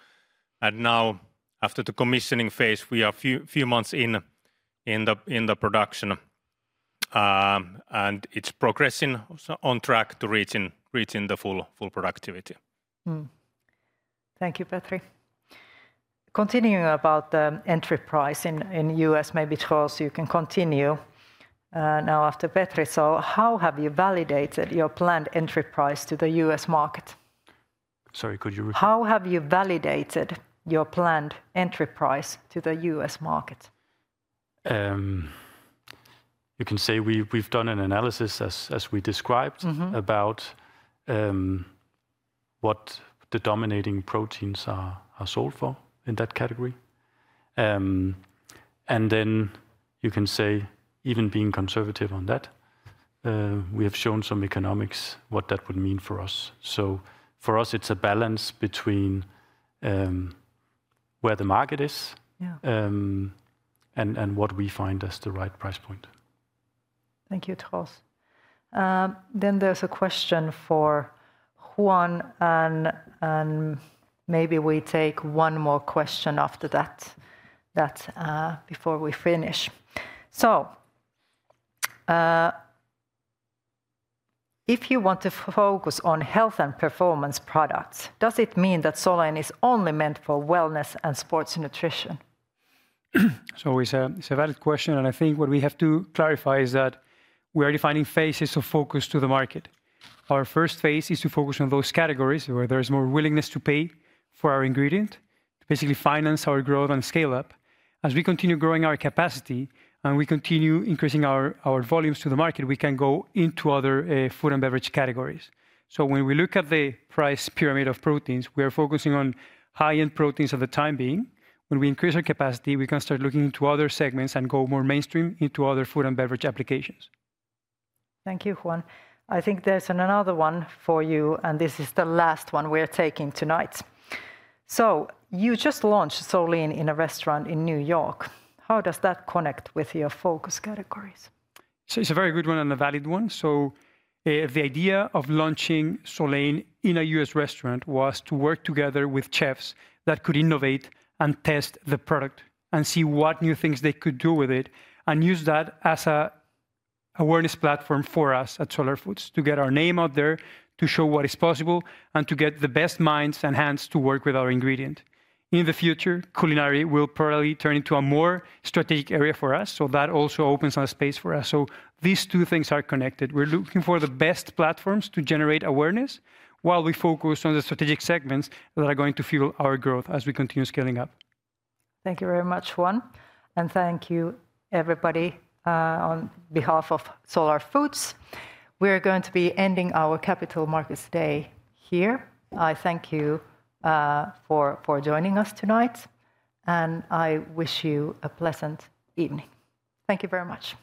And now, after the commissioning phase, we are a few months in the production. And it's progressing on track to reaching the full productivity. Thank you, Petri. Continuing about the entry price in the U.S., maybe Troels, you can continue. Now, after Petri, so how have you validated your planned entry price to the U.S. market? Sorry, could you repeat? How have you validated your planned entry price to the U.S. market? You can say we've done an analysis, as we described, about what the dominating proteins are sold for in that category. And then you can say, even being conservative on that, we have shown some economics, what that would mean for us. So for us, it's a balance between where the market is and what we find as the right price point. Thank you, Troels. Then there's a question for Juan, and maybe we take one more question after that before we finish. So if you want to focus on health and performance products, does it mean that Solein is only meant for wellness and sports nutrition? So it's a valid question, and I think what we have to clarify is that we are defining phases of focus to the market. Our first phase is to focus on those categories where there is more willingness to pay for our ingredient, to basically finance our growth and scale up. As we continue growing our capacity and we continue increasing our volumes to the market, we can go into other food and beverage categories. So when we look at the price pyramid of proteins, we are focusing on high-end proteins at the time being. When we increase our capacity, we can start looking into other segments and go more mainstream into other food and beverage applications. Thank you, Juan. I think there's another one for you, and this is the last one we're taking tonight. So you just launched Solein in a restaurant in New York. How does that connect with your focus categories? So it's a very good one and a valid one. So the idea of launching Solein in a U.S. restaurant was to work together with chefs that could innovate and test the product and see what new things they could do with it and use that as an awareness platform for us at Solar Foods to get our name out there, to show what is possible, and to get the best minds and hands to work with our ingredient. In the future, culinary will probably turn into a more strategic area for us. So that also opens a space for us. So these two things are connected. We're looking for the best platforms to generate awareness while we focus on the strategic segments that are going to fuel our growth as we continue scaling up. Thank you very much, Juan. And thank you, everybody, on behalf of Solar Foods. We are going to be ending our Capital Markets Day here. I thank you for joining us tonight, and I wish you a pleasant evening. Thank you very much.